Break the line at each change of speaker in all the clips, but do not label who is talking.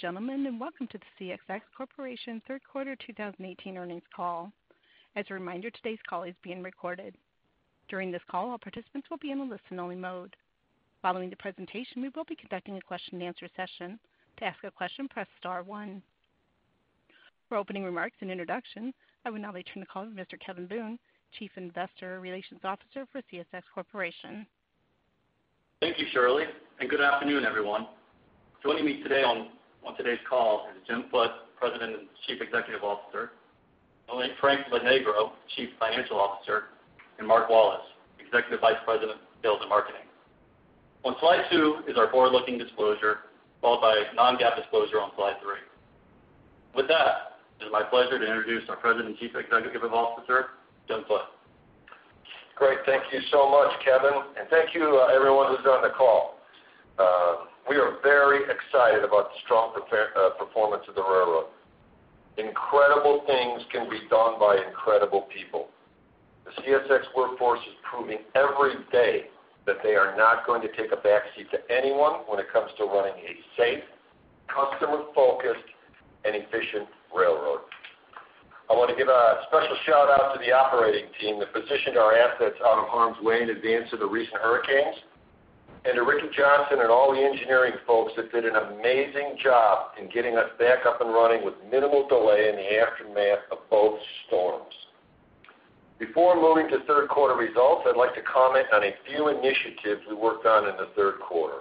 Gentlemen, welcome to the CSX Corporation third quarter 2018 earnings call. As a reminder, today's call is being recorded. During this call, all participants will be in a listen-only mode. Following the presentation, we will be conducting a question and answer session. To ask a question, press *1. For opening remarks and introductions, I would now like to turn the call to Mr. Kevin Boone, Chief Investor Relations Officer for CSX Corporation.
Thank you, Shirley, good afternoon, everyone. Joining me today on today's call is Jim Foote, President and Chief Executive Officer, Frank Lonegro, Chief Financial Officer, and Mark Wallace, Executive Vice President of Sales and Marketing. On slide two is our forward-looking disclosure, followed by non-GAAP disclosure on slide three. With that, it is my pleasure to introduce our President and Chief Executive Officer, Jim Foote.
Great. Thank you so much, Kevin, thank you to everyone who's joined the call. We are very excited about the strong performance of the railroad. Incredible things can be done by incredible people. The CSX workforce is proving every day that they are not going to take a back seat to anyone when it comes to running a safe, customer-focused, and efficient railroad. I want to give a special shout-out to the operating team that positioned our assets out of harm's way in advance of the recent hurricanes, and to Ricky Johnson and all the engineering folks that did an amazing job in getting us back up and running with minimal delay in the aftermath of both storms. Before moving to third quarter results, I'd like to comment on a few initiatives we worked on in the third quarter.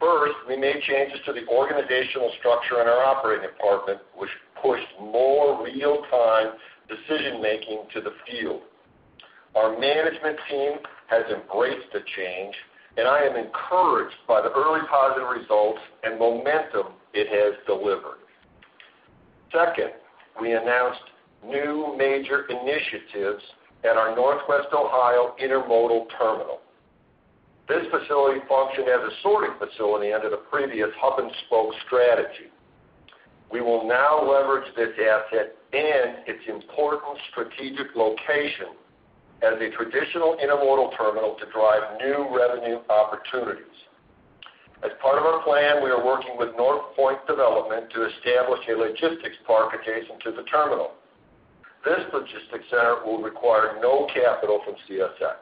First, we made changes to the organizational structure in our operating department, which pushed more real-time decision-making to the field. Our management team has embraced the change, and I am encouraged by the early positive results and momentum it has delivered. Second, we announced new major initiatives at our Northwest Ohio Intermodal Terminal. This facility functioned as a sorting facility under the previous hub and spoke strategy. We will now leverage this asset and its important strategic location as a traditional intermodal terminal to drive new revenue opportunities. As part of our plan, we are working with NorthPoint Development to establish a logistics park adjacent to the terminal. This logistics center will require no capital from CSX.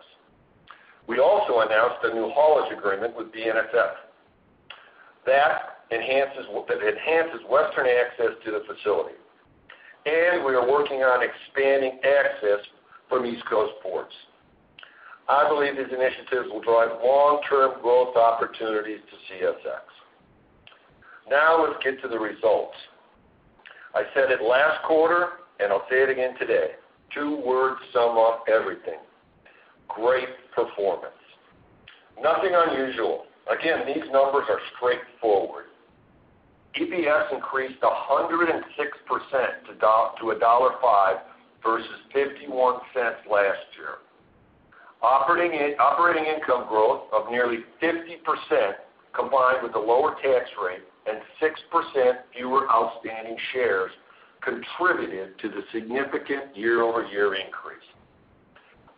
We also announced a new haulage agreement with BNSF that enhances western access to the facility, and we are working on expanding access from East Coast ports. I believe these initiatives will drive long-term growth opportunities to CSX. Let's get to the results. I said it last quarter. I'll say it again today, two words sum up everything, great performance. Nothing unusual. These numbers are straightforward. EPS increased 106% to $1.05 versus $0.51 last year. Operating income growth of nearly 50%, combined with a lower tax rate and 6% fewer outstanding shares contributed to the significant year-over-year increase.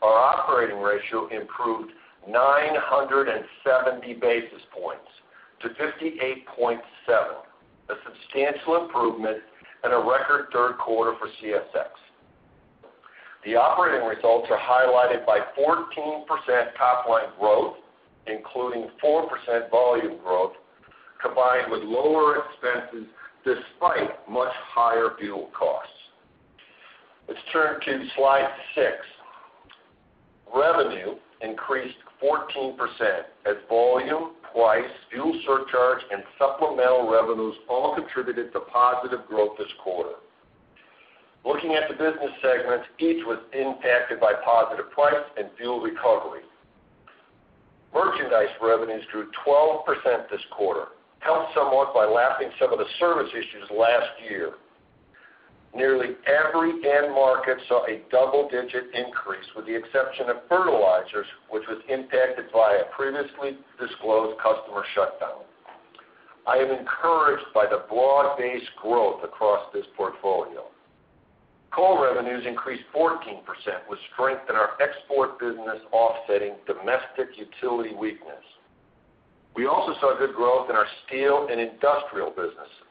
Our operating ratio improved 970 basis points to 58.7, a substantial improvement and a record third quarter for CSX. The operating results are highlighted by 14% top-line growth, including 4% volume growth, combined with lower expenses despite much higher fuel costs. Let's turn to slide six. Revenue increased 14% as volume, price, fuel surcharge, and supplemental revenues all contributed to positive growth this quarter. Looking at the business segments, each was impacted by positive price and fuel recovery. Merchandise revenues grew 12% this quarter, helped somewhat by lapping some of the service issues last year. Nearly every end market saw a double-digit increase, with the exception of fertilizers, which was impacted by a previously disclosed customer shutdown. I am encouraged by the broad-based growth across this portfolio. Coal revenues increased 14%, with strength in our export business offsetting domestic utility weakness. We also saw good growth in our steel and industrial businesses.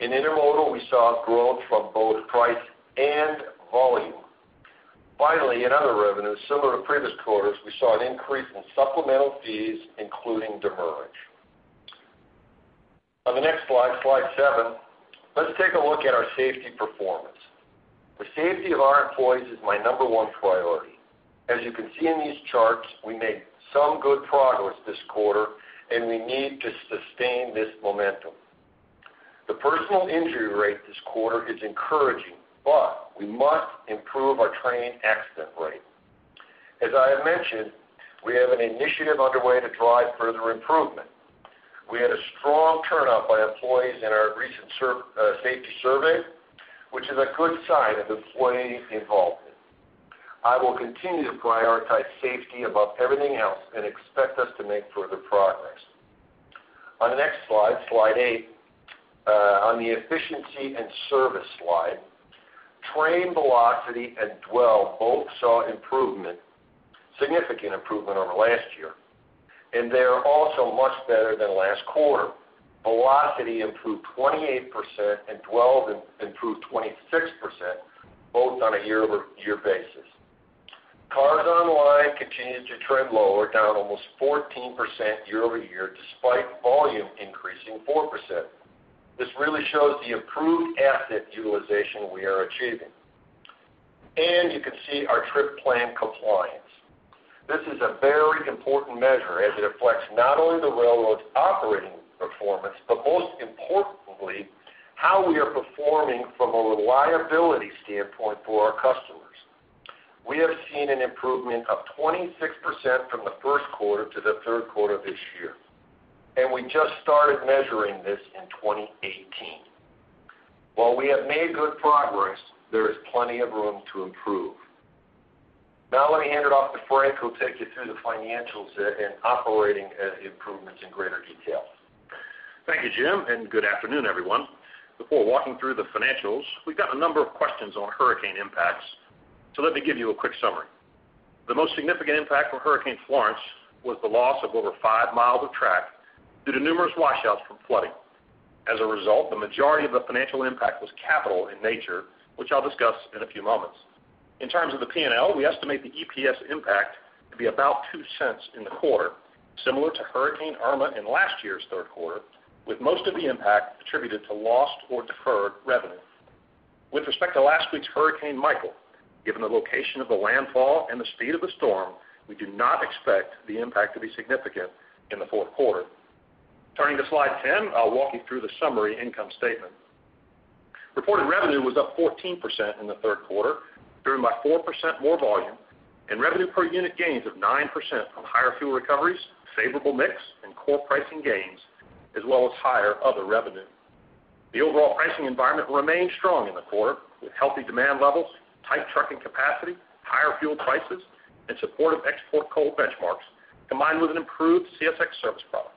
In intermodal, we saw growth from both price and volume. In other revenues similar to previous quarters, we saw an increase in supplemental fees, including demurrage. On the next slide seven, let's take a look at our safety performance. The safety of our employees is my number one priority. As you can see in these charts, we made some good progress this quarter and we need to sustain this momentum. The personal injury rate this quarter is encouraging, but we must improve our train accident rate. As I have mentioned, we have an initiative underway to drive further improvement. We had a strong turnout by employees in our recent safety survey, which is a good sign of employee involvement. I will continue to prioritize safety above everything else and expect us to make further progress. On the next slide eight, on the efficiency and service slide Train velocity and dwell both saw significant improvement over last year, and they are also much better than last quarter. Velocity improved 28% and dwell improved 26%, both on a year-over-year basis. Cars online continued to trend lower, down almost 14% year-over-year, despite volume increasing 4%. This really shows the improved asset utilization we are achieving. You can see our trip plan compliance. This is a very important measure as it reflects not only the railroad's operating performance, but most importantly, how we are performing from a reliability standpoint for our customers. We have seen an improvement of 26% from the first quarter to the third quarter of this year, and we just started measuring this in 2018. While we have made good progress, there is plenty of room to improve. Let me hand it off to Frank, who will take you through the financials and operating improvements in greater detail.
Thank you, Jim, and good afternoon, everyone. Before walking through the financials, we've got a number of questions on hurricane impacts. Let me give you a quick summary. The most significant impact from Hurricane Florence was the loss of over five miles of track due to numerous washouts from flooding. As a result, the majority of the financial impact was capital in nature, which I'll discuss in a few moments. In terms of the P&L, we estimate the EPS impact to be about $0.02 in the quarter, similar to Hurricane Irma in last year's third quarter, with most of the impact attributed to lost or deferred revenue. With respect to last week's Hurricane Michael, given the location of the landfall and the speed of the storm, we do not expect the impact to be significant in the fourth quarter. Turning to slide 10, I'll walk you through the summary income statement. Reported revenue was up 14% in the third quarter, driven by 4% more volume and revenue per unit gains of 9% from higher fuel recoveries, favorable mix, and core pricing gains, as well as higher other revenue. The overall pricing environment remained strong in the quarter with healthy demand levels, tight trucking capacity, higher fuel prices, and supportive export coal benchmarks, combined with an improved CSX service product.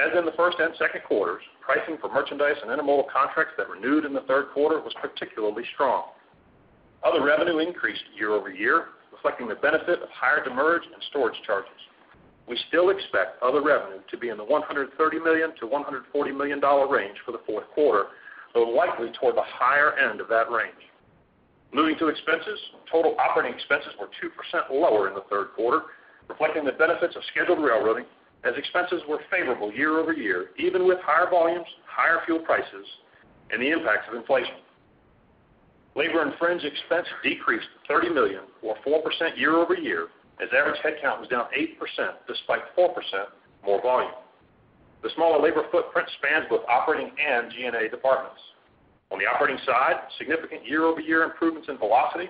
As in the first and second quarters, pricing for merchandise and intermodal contracts that renewed in the third quarter was particularly strong. Other revenue increased year-over-year, reflecting the benefit of higher demurrage and storage charges. We still expect other revenue to be in the $130 million-$140 million range for the fourth quarter, though likely toward the higher end of that range. Moving to expenses, total operating expenses were 2% lower in the third quarter, reflecting the benefits of Scheduled Railroading as expenses were favorable year-over-year, even with higher volumes, higher fuel prices, and the impacts of inflation. Labor and fringe expense decreased to $30 million, or 4% year-over-year, as average headcount was down 8% despite 4% more volume. The smaller labor footprint spans both operating and G&A departments. On the operating side, significant year-over-year improvements in velocity,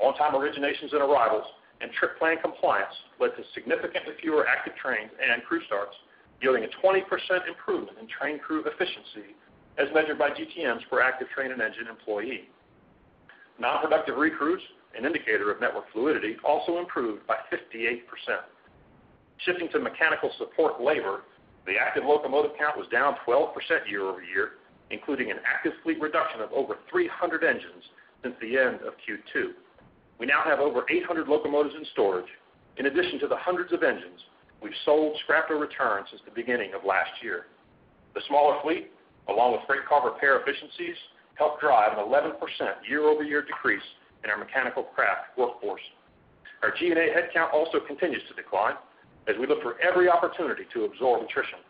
on-time originations and arrivals, and Trip Plan Compliance led to significantly fewer active trains and crew starts, yielding a 20% improvement in train crew efficiency as measured by GTMs per active train and engine employee. Non-productive recrews, an indicator of network fluidity, also improved by 58%. Shifting to mechanical support labor, the active locomotive count was down 12% year-over-year, including an active fleet reduction of over 300 engines since the end of Q2. We now have over 800 locomotives in storage, in addition to the hundreds of engines we've sold, scrapped, or returned since the beginning of last year. The smaller fleet, along with freight car repair efficiencies, helped drive an 11% year-over-year decrease in our mechanical craft workforce. Our G&A headcount also continues to decline as we look for every opportunity to absorb attrition.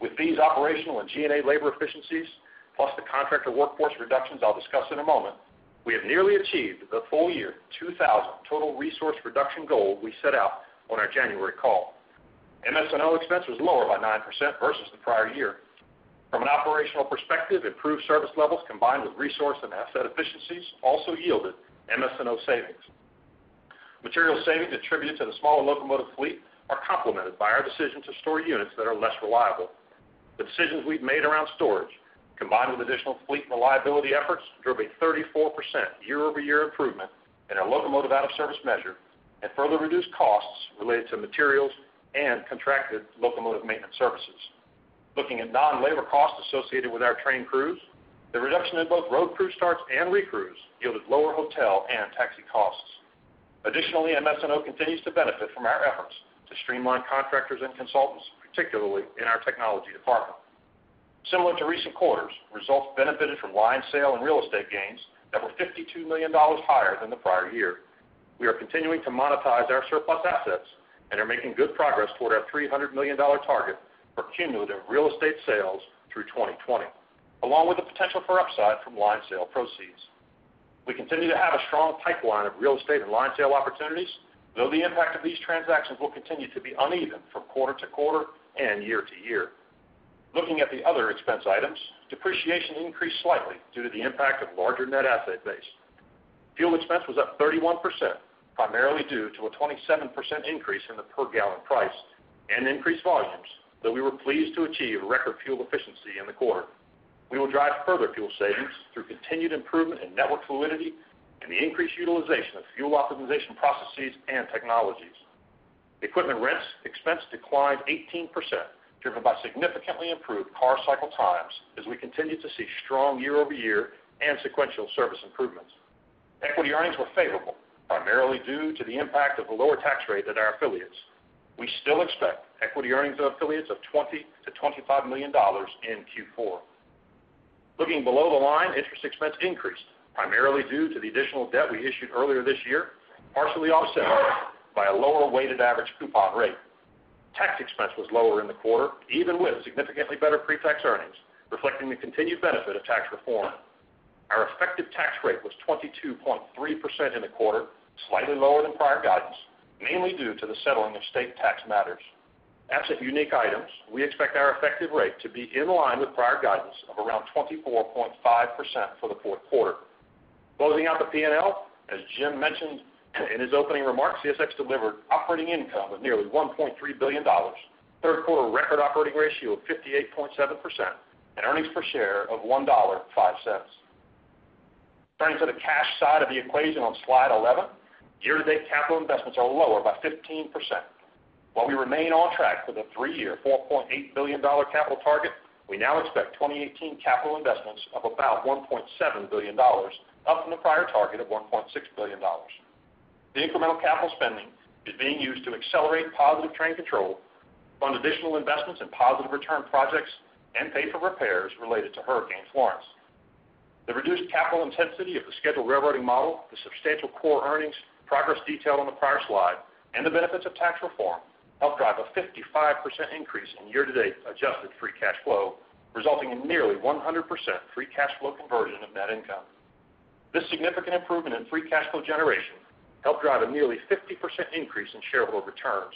With these operational and G&A labor efficiencies, plus the contractor workforce reductions I'll discuss in a moment, we have nearly achieved the full year 2,000 total resource reduction goal we set out on our January call. MS&O expense was lower by 9% versus the prior year. From an operational perspective, improved service levels combined with resource and asset efficiencies also yielded MS&O savings. Material savings attributed to the smaller locomotive fleet are complemented by our decision to store units that are less reliable. The decisions we've made around storage, combined with additional fleet reliability efforts, drove a 34% year-over-year improvement in our locomotive out of service measure and further reduced costs related to materials and contracted locomotive maintenance services. Looking at non-labor costs associated with our train crews, the reduction in both road crew starts and recrews yielded lower hotel and taxi costs. Additionally, MS&O continues to benefit from our efforts to streamline contractors and consultants, particularly in our technology department. Similar to recent quarters, results benefited from line sale and real estate gains that were $52 million higher than the prior year. We are continuing to monetize our surplus assets and are making good progress toward our $300 million target for cumulative real estate sales through 2020, along with the potential for upside from line sale proceeds. We continue to have a strong pipeline of real estate and line sale opportunities, though the impact of these transactions will continue to be uneven from quarter to quarter and year to year. Looking at the other expense items, depreciation increased slightly due to the impact of larger net asset base. Fuel expense was up 31%, primarily due to a 27% increase in the per gallon price and increased volumes, though we were pleased to achieve record fuel efficiency in the quarter. We will drive further fuel savings through continued improvement in network fluidity and the increased utilization of fuel optimization processes and technologies. Equipment rents expense declined 18%, driven by significantly improved car cycle times as we continue to see strong year-over-year and sequential service improvements. Equity earnings were favorable, primarily due to the impact of the lower tax rate at our affiliates. We still expect equity earnings of affiliates of $20 million-$25 million in Q4. Looking below the line, interest expense increased, primarily due to the additional debt we issued earlier this year, partially offset by a lower weighted average coupon rate. Tax expense was lower in the quarter, even with significantly better pre-tax earnings, reflecting the continued benefit of tax reform. Our effective tax rate was 22.3% in the quarter, slightly lower than prior guidance, mainly due to the settling of state tax matters. Absent unique items, we expect our effective rate to be in line with prior guidance of around 24.5% for the fourth quarter. Closing out the P&L, as Jim mentioned in his opening remarks, CSX delivered operating income of nearly $1.3 billion, third quarter record operating ratio of 58.7%, and earnings per share of $1.05. Turning to the cash side of the equation on Slide 11, year-to-date capital investments are lower by 15%. While we remain on track for the three-year $4.8 billion capital target, we now expect 2018 capital investments of about $1.7 billion, up from the prior target of $1.6 billion. The incremental capital spending is being used to accelerate Positive Train Control, fund additional investments in positive return projects, and pay for repairs related to Hurricane Florence. The reduced capital intensity of the scheduled railroading model, the substantial core earnings progress detailed on the prior slide, and the benefits of tax reform helped drive a 55% increase in year-to-date adjusted free cash flow, resulting in nearly 100% free cash flow conversion of net income. This significant improvement in free cash flow generation helped drive a nearly 50% increase in shareholder returns.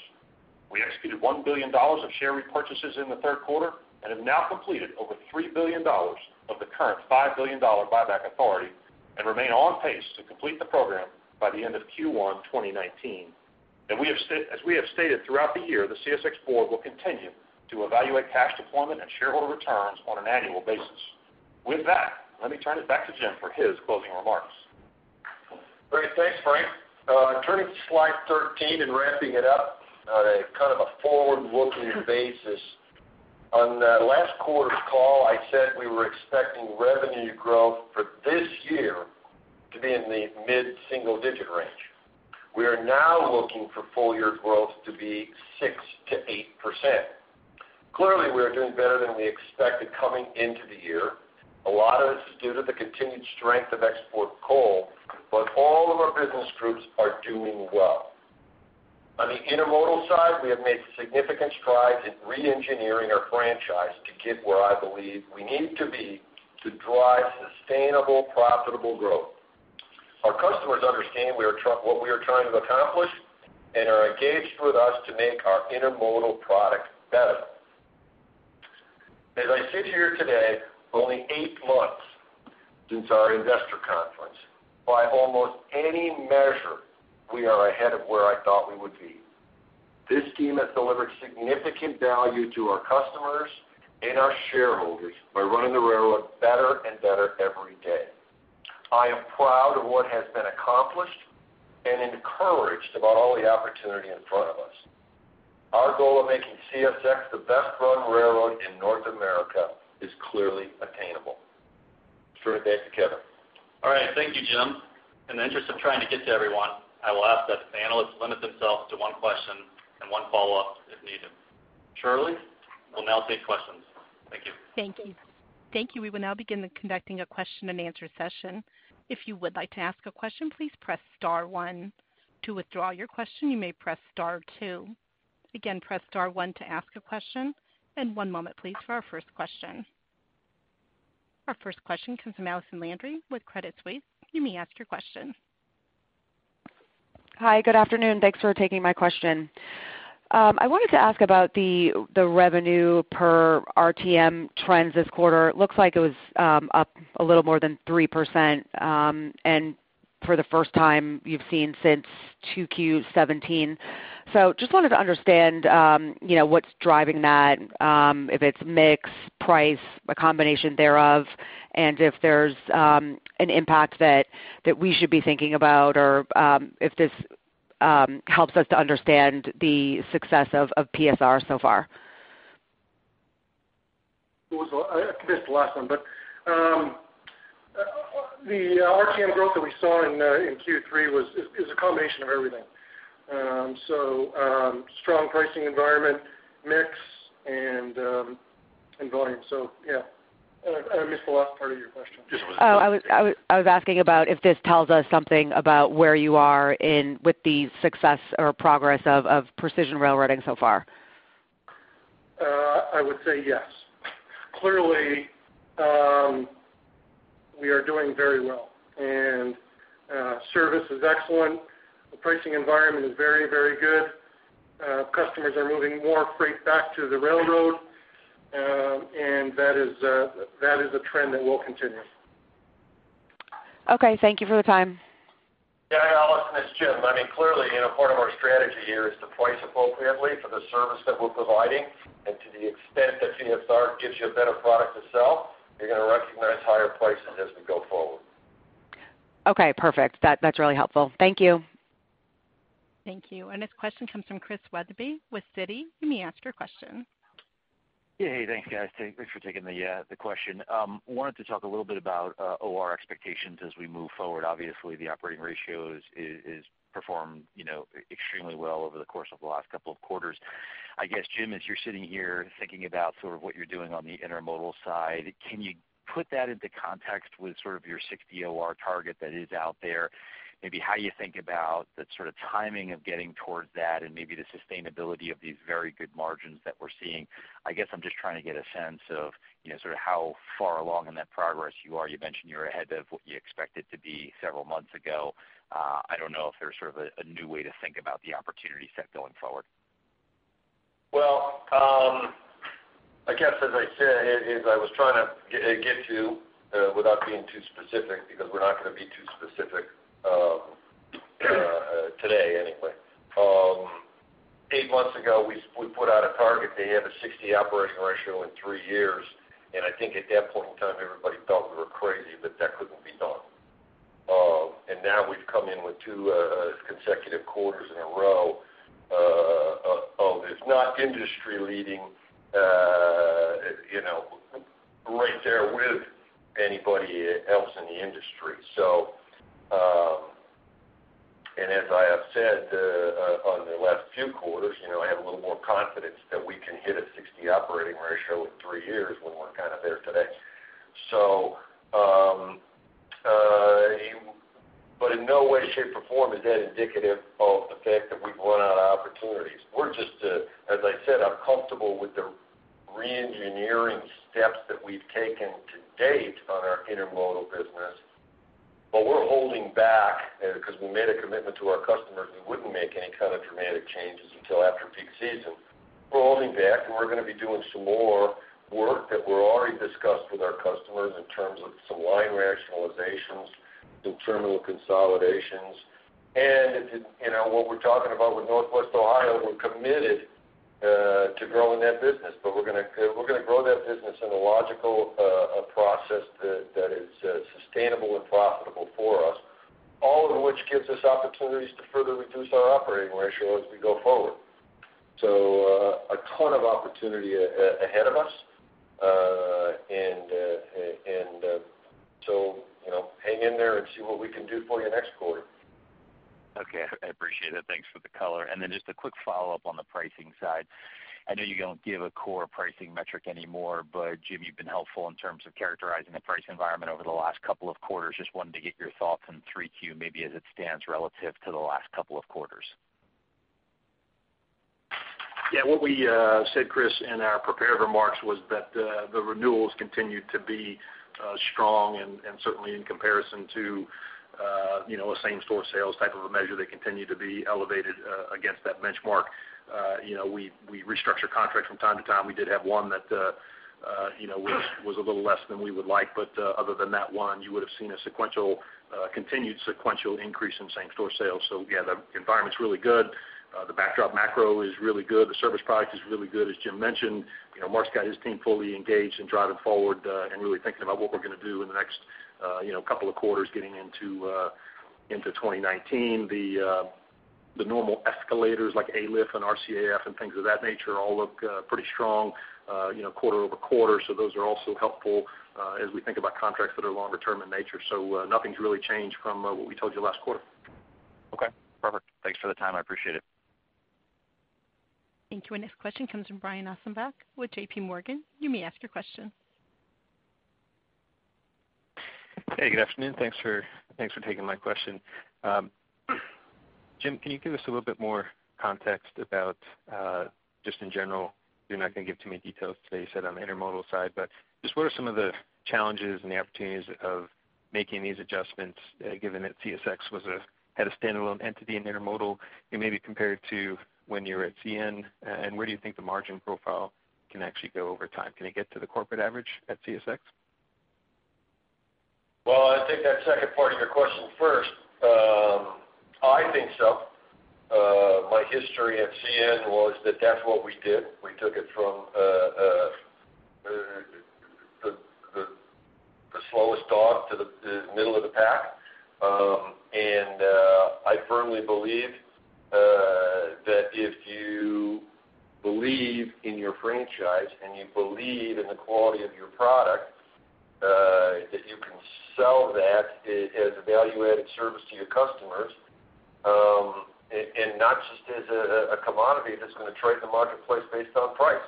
We executed $1 billion of share repurchases in the third quarter and have now completed over $3 billion of the current $5 billion buyback authority and remain on pace to complete the program by the end of Q1 2019. As we have stated throughout the year, the CSX board will continue to evaluate cash deployment and shareholder returns on an annual basis. With that, let me turn it back to Jim for his closing remarks.
Great. Thanks, Frank. Turning to Slide 13 and wrapping it up on a forward-looking basis. On last quarter's call, I said we were expecting revenue growth for this year to be in the mid-single digit range. We are now looking for full year growth to be 6%-8%. Clearly, we are doing better than we expected coming into the year. A lot of this is due to the continued strength of export coal, but all of our business groups are doing well. On the intermodal side, we have made significant strides in re-engineering our franchise to get where I believe we need to be to drive sustainable, profitable growth. Our customers understand what we are trying to accomplish and are engaged with us to make our intermodal product better. As I sit here today, only eight months since our investor conference, by almost any measure, we are ahead of where I thought we would be. This team has delivered significant value to our customers and our shareholders by running the railroad better and better every day. I am proud of what has been accomplished and encouraged about all the opportunity in front of us. Our goal of making CSX the best-run railroad in North America is clearly attainable. Turn it back to Kevin.
All right. Thank you, Jim. In the interest of trying to get to everyone, I will ask that the analysts limit themselves to one question and one follow-up if needed. Shirley, we'll now take questions. Thank you.
Thank you. Thank you. We will now begin conducting a question-and-answer session. If you would like to ask a question, please press star one. To withdraw your question, you may press star two. Again, press star one to ask a question. One moment please for our first question. Our first question comes from Allison Landry with Credit Suisse. You may ask your question.
Hi. Good afternoon. Thanks for taking my question. I wanted to ask about the revenue per RTM trends this quarter. It looks like it was up a little more than 3%, and for the first time you've seen since 2Q17. Just wanted to understand what's driving that, if it's mix, price, a combination thereof, and if there's an impact that we should be thinking about or if this helps us to understand the success of PSR so far.
I missed the last one, but the RTM growth that we saw in Q3 is a combination of everything. Strong pricing environment, mix, and volume. Yeah. I missed the last part of your question.
I was asking about if this tells us something about where you are with the success or progress of Precision Railroading so far.
I would say yes. Clearly, we are doing very well and service is excellent. The pricing environment is very good. Customers are moving more freight back to the railroad, and that is a trend that will continue.
Okay. Thank you for the time.
Yeah, Allison, it's Jim. Clearly, part of our strategy here is to price appropriately for the service that we're providing, and to the extent that PSR gives you a better product to sell, you're going to recognize higher prices as we go forward
Okay, perfect. That's really helpful. Thank you.
Thank you. Our next question comes from Christian Wetherbee with Citi. You may ask your question.
Hey, thanks, guys. Thanks for taking the question. Wanted to talk a little bit about OR expectations as we move forward. Obviously, the operating ratio has performed extremely well over the course of the last couple of quarters. I guess, Jim, as you're sitting here thinking about sort of what you're doing on the intermodal side, can you put that into context with sort of your 60 OR target that is out there? Maybe how you think about the sort of timing of getting towards that and maybe the sustainability of these very good margins that we're seeing. I guess I'm just trying to get a sense of sort of how far along in that progress you are. You mentioned you're ahead of what you expected to be several months ago. I don't know if there's sort of a new way to think about the opportunity set going forward.
Well, I guess as I said, as I was trying to get to without being too specific, because we're not going to be too specific today anyway. Eight months ago, we put out a target to hit a 60 operating ratio in three years, I think at that point in time, everybody thought we were crazy, that couldn't be done. Now we've come in with two consecutive quarters in a row of, it's not industry-leading, right there with anybody else in the industry. As I have said on the last few quarters, I have a little more confidence that we can hit a 60 operating ratio in three years when we're kind of there today. In no way, shape, or form is that indicative of the fact that we've run out of opportunities. We're just, as I said, I'm comfortable with the re-engineering steps that we've taken to date on our intermodal business. We're holding back because we made a commitment to our customers we wouldn't make any kind of dramatic changes until after peak season. We're holding back, we're going to be doing some more work that we've already discussed with our customers in terms of some line rationalizations, some terminal consolidations. What we're talking about with Northwest Ohio, we're committed to growing that business, but we're going to grow that business in a logical process that is sustainable and profitable for us, all of which gives us opportunities to further reduce our operating ratio as we go forward. A ton of opportunity ahead of us. Hang in there and see what we can do for you next quarter.
Okay, I appreciate it. Thanks for the color. Just a quick follow-up on the pricing side. I know you don't give a core pricing metric anymore, Jim, you've been helpful in terms of characterizing the price environment over the last couple of quarters. Just wanted to get your thoughts on 3Q maybe as it stands relative to the last couple of quarters.
What we said, Chris, in our prepared remarks was that the renewals continued to be strong and certainly in comparison to a same-store sales type of a measure, they continue to be elevated against that benchmark. We restructure contracts from time to time. We did have one that was a little less than we would like. Other than that one, you would have seen a continued sequential increase in same-store sales. Yeah, the environment's really good. The backdrop macro is really good. The service product is really good. As Jim mentioned, Mark's got his team fully engaged and driving forward and really thinking about what we're going to do in the next couple of quarters getting into 2019. The normal escalators like AII-LF and RCAF and things of that nature all look pretty strong quarter-over-quarter. Those are also helpful as we think about contracts that are longer term in nature. Nothing's really changed from what we told you last quarter.
Okay, perfect. Thanks for the time. I appreciate it.
Thank you. Our next question comes from Brian Ossenbeck with J.P. Morgan. You may ask your question.
Hey, good afternoon. Thanks for taking my question. Jim, can you give us a little bit more context about just in general, you're not going to give too many details today, you said, on the intermodal side, but just what are some of the challenges and the opportunities of making these adjustments, given that CSX had a standalone entity in intermodal, and maybe compare it to when you were at CN, and where do you think the margin profile can actually go over time? Can it get to the corporate average at CSX?
Well, I'll take that second part of your question first. I think so. My history at CN was that that's what we did. We took it from the slowest dog to the middle of the pack. I firmly believe that if you believe in your franchise and you believe in the quality of your product, that you can sell that as a value-added service to your customers, and not just as a commodity that's going to trade in the marketplace based on price.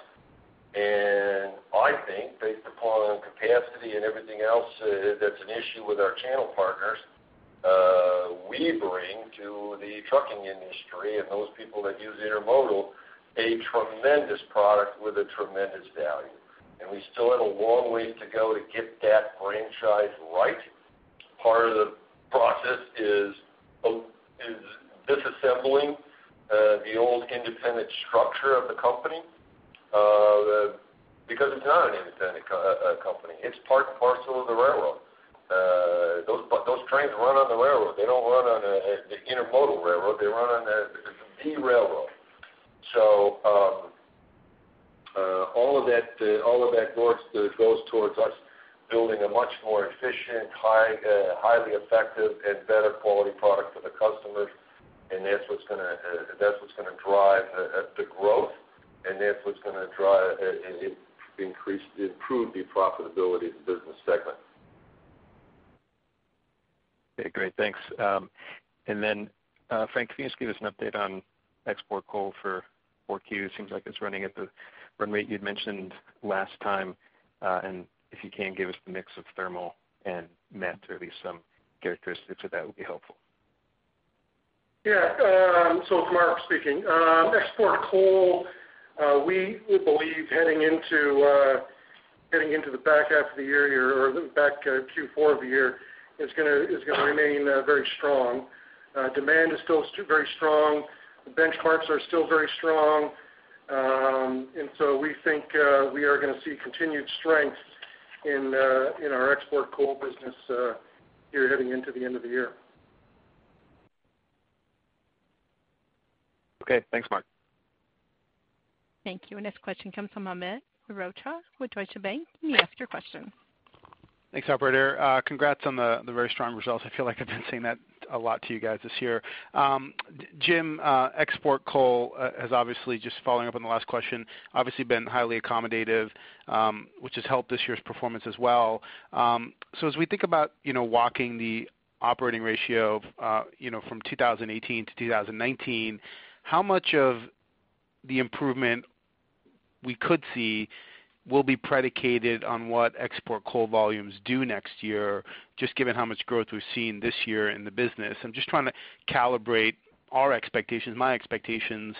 I think based upon capacity and everything else that's an issue with our channel partners, we bring to the trucking industry and those people that use intermodal, a tremendous product with a tremendous value. We still have a long way to go to get that franchise right. Part of the process is disassembling the old independent structure of the company, because it's not an independent company. It's part and parcel of the railroad. Those trains run on the railroad. They don't run on an intermodal railroad. They run on the railroad. All of that goes towards us building a much more efficient, highly effective, and better quality product for the customers. That's what's going to drive the growth, and that's what's going to improve the profitability of the business segment.
Okay, great. Thanks. Frank, can you just give us an update on export coal for 4Q? It seems like it's running at the run rate you had mentioned last time. If you can give us the mix of thermal and met, or at least some characteristics of that would be helpful.
Yeah. Mark speaking. Export coal, we believe heading into the back half of the year or the back Q4 of the year, is going to remain very strong. Demand is still very strong. The benchmarks are still very strong. We think we are going to see continued strength in our export coal business here heading into the end of the year.
Okay, thanks Mark.
Thank you. Next question comes from Amit Mehrotra with Deutsche Bank. You may ask your question.
Thanks, operator. Congrats on the very strong results. I feel like I've been saying that a lot to you guys this year. Jim, export coal has obviously, just following up on the last question, obviously been highly accommodative, which has helped this year's performance as well. As we think about walking the operating ratio from 2018 to 2019, how much of the improvement we could see will be predicated on what export coal volumes do next year, just given how much growth we've seen this year in the business? I'm just trying to calibrate our expectations, my expectations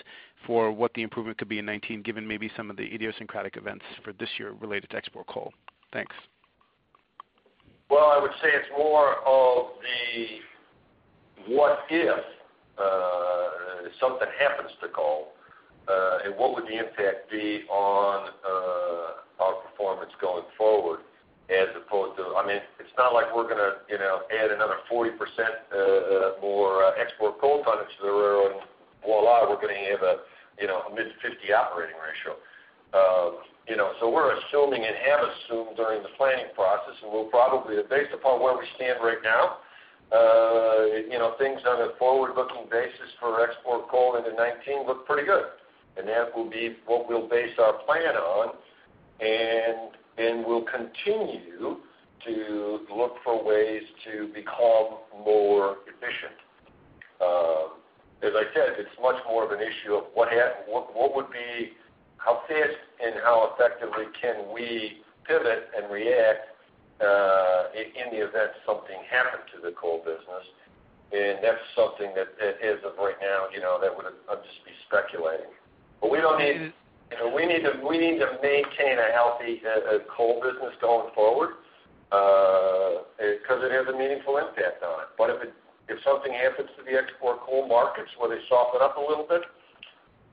for what the improvement could be in 2019, given maybe some of the idiosyncratic events for this year related to export coal. Thanks.
Well, I would say it's more of the what if something happens to coal, and what would the impact be on our performance going forward as opposed to. It's not like we're going to add another 40% more export coal tonnage to the railroad, and voila, we're going to have a mid 50 operating ratio. We're assuming and have assumed during the planning process, and based upon where we stand right now, things on a forward-looking basis for export coal into 2019 look pretty good. That will be what we'll base our plan on, and we'll continue to look for ways to become more efficient. As I said, it's much more of an issue of how fit and how effectively can we pivot and react, in the event something happened to the coal business. That's something that as of right now, that would just be speculating. We need to maintain a healthy coal business going forward, because it has a meaningful impact on it. If something happens to the export coal markets where they soften up a little bit,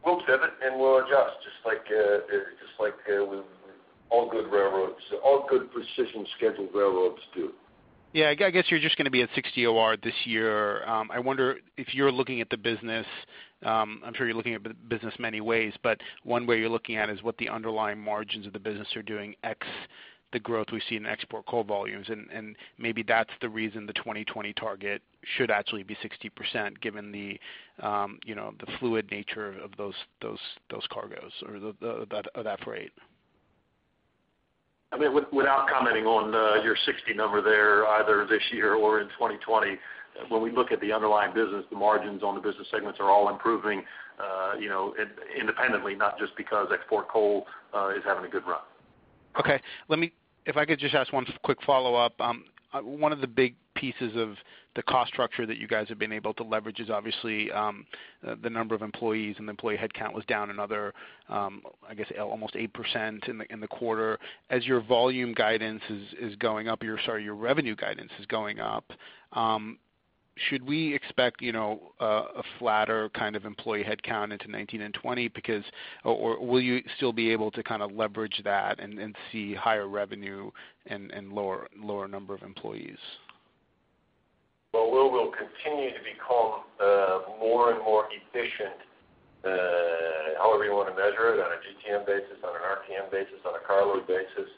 we'll pivot and we'll adjust just like all good railroads, all good precision schedule railroads do.
Yeah, I guess you're just going to be at 60 OR this year. I wonder if you're looking at the business, I'm sure you're looking at business many ways, but one way you're looking at is what the underlying margins of the business are doing, x the growth we see in export coal volumes, and maybe that's the reason the 2020 target should actually be 60%, given the fluid nature of those cargoes or of that freight.
Without commenting on your 60 number there, either this year or in 2020, when we look at the underlying business, the margins on the business segments are all improving independently, not just because export coal is having a good run.
Okay. If I could just ask one quick follow-up. One of the big pieces of the cost structure that you guys have been able to leverage is obviously the number of employees, and employee headcount was down another almost 8% in the quarter. As your volume guidance is going up, or sorry, your revenue guidance is going up, will you still be able to leverage that and see higher revenue and lower number of employees?
Well, we will continue to become more and more efficient, however you want to measure it, on a GTM basis, on an RPM basis, on a cargo basis.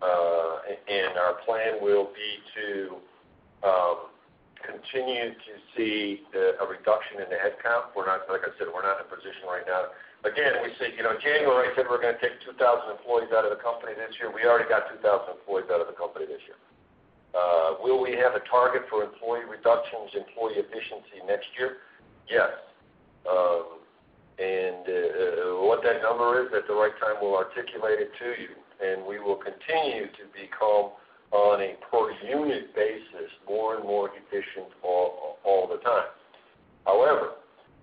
Our plan will be to continue to see a reduction in the headcount. Like I said, we're not in a position right now. Again, in January, I said we're going to take 2,000 employees out of the company this year. We already got 2,000 employees out of the company this year. Will we have a target for employee reductions, employee efficiency next year? Yes. What that number is, at the right time, we'll articulate it to you, and we will continue to become, on a per unit basis, more and more efficient all the time. However,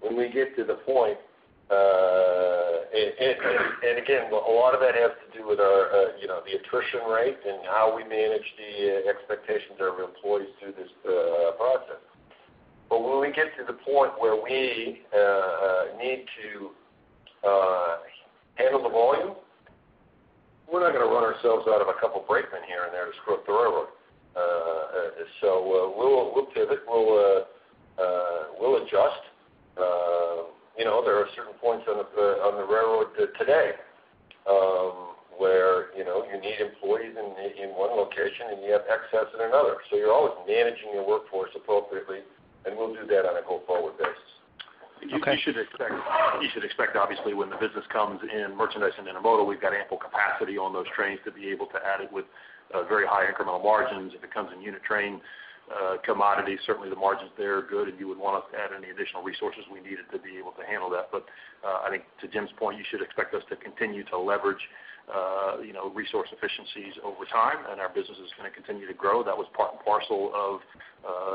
when we get to the point, and again, a lot of that has to do with the attrition rate and how we manage the expectations of our employees through this process. When we get to the point where we need to handle the volume, we're not going to run ourselves out of a couple brakemen here and there to screw up the railroad. We'll pivot. We'll adjust. There are certain points on the railroad today where you need employees in one location and you have excess in another. You're always managing your workforce appropriately, and we'll do that on a go-forward basis.
Okay.
You should expect, obviously, when the business comes in merchandise and intermodal, we've got ample capacity on those trains to be able to add it with very high incremental margins. If it comes in unit train commodities, certainly the margins there are good and you would want us to add any additional resources we needed to be able to handle that. I think to Jim's point, you should expect us to continue to leverage resource efficiencies over time, and our business is going to continue to grow. That was part and parcel of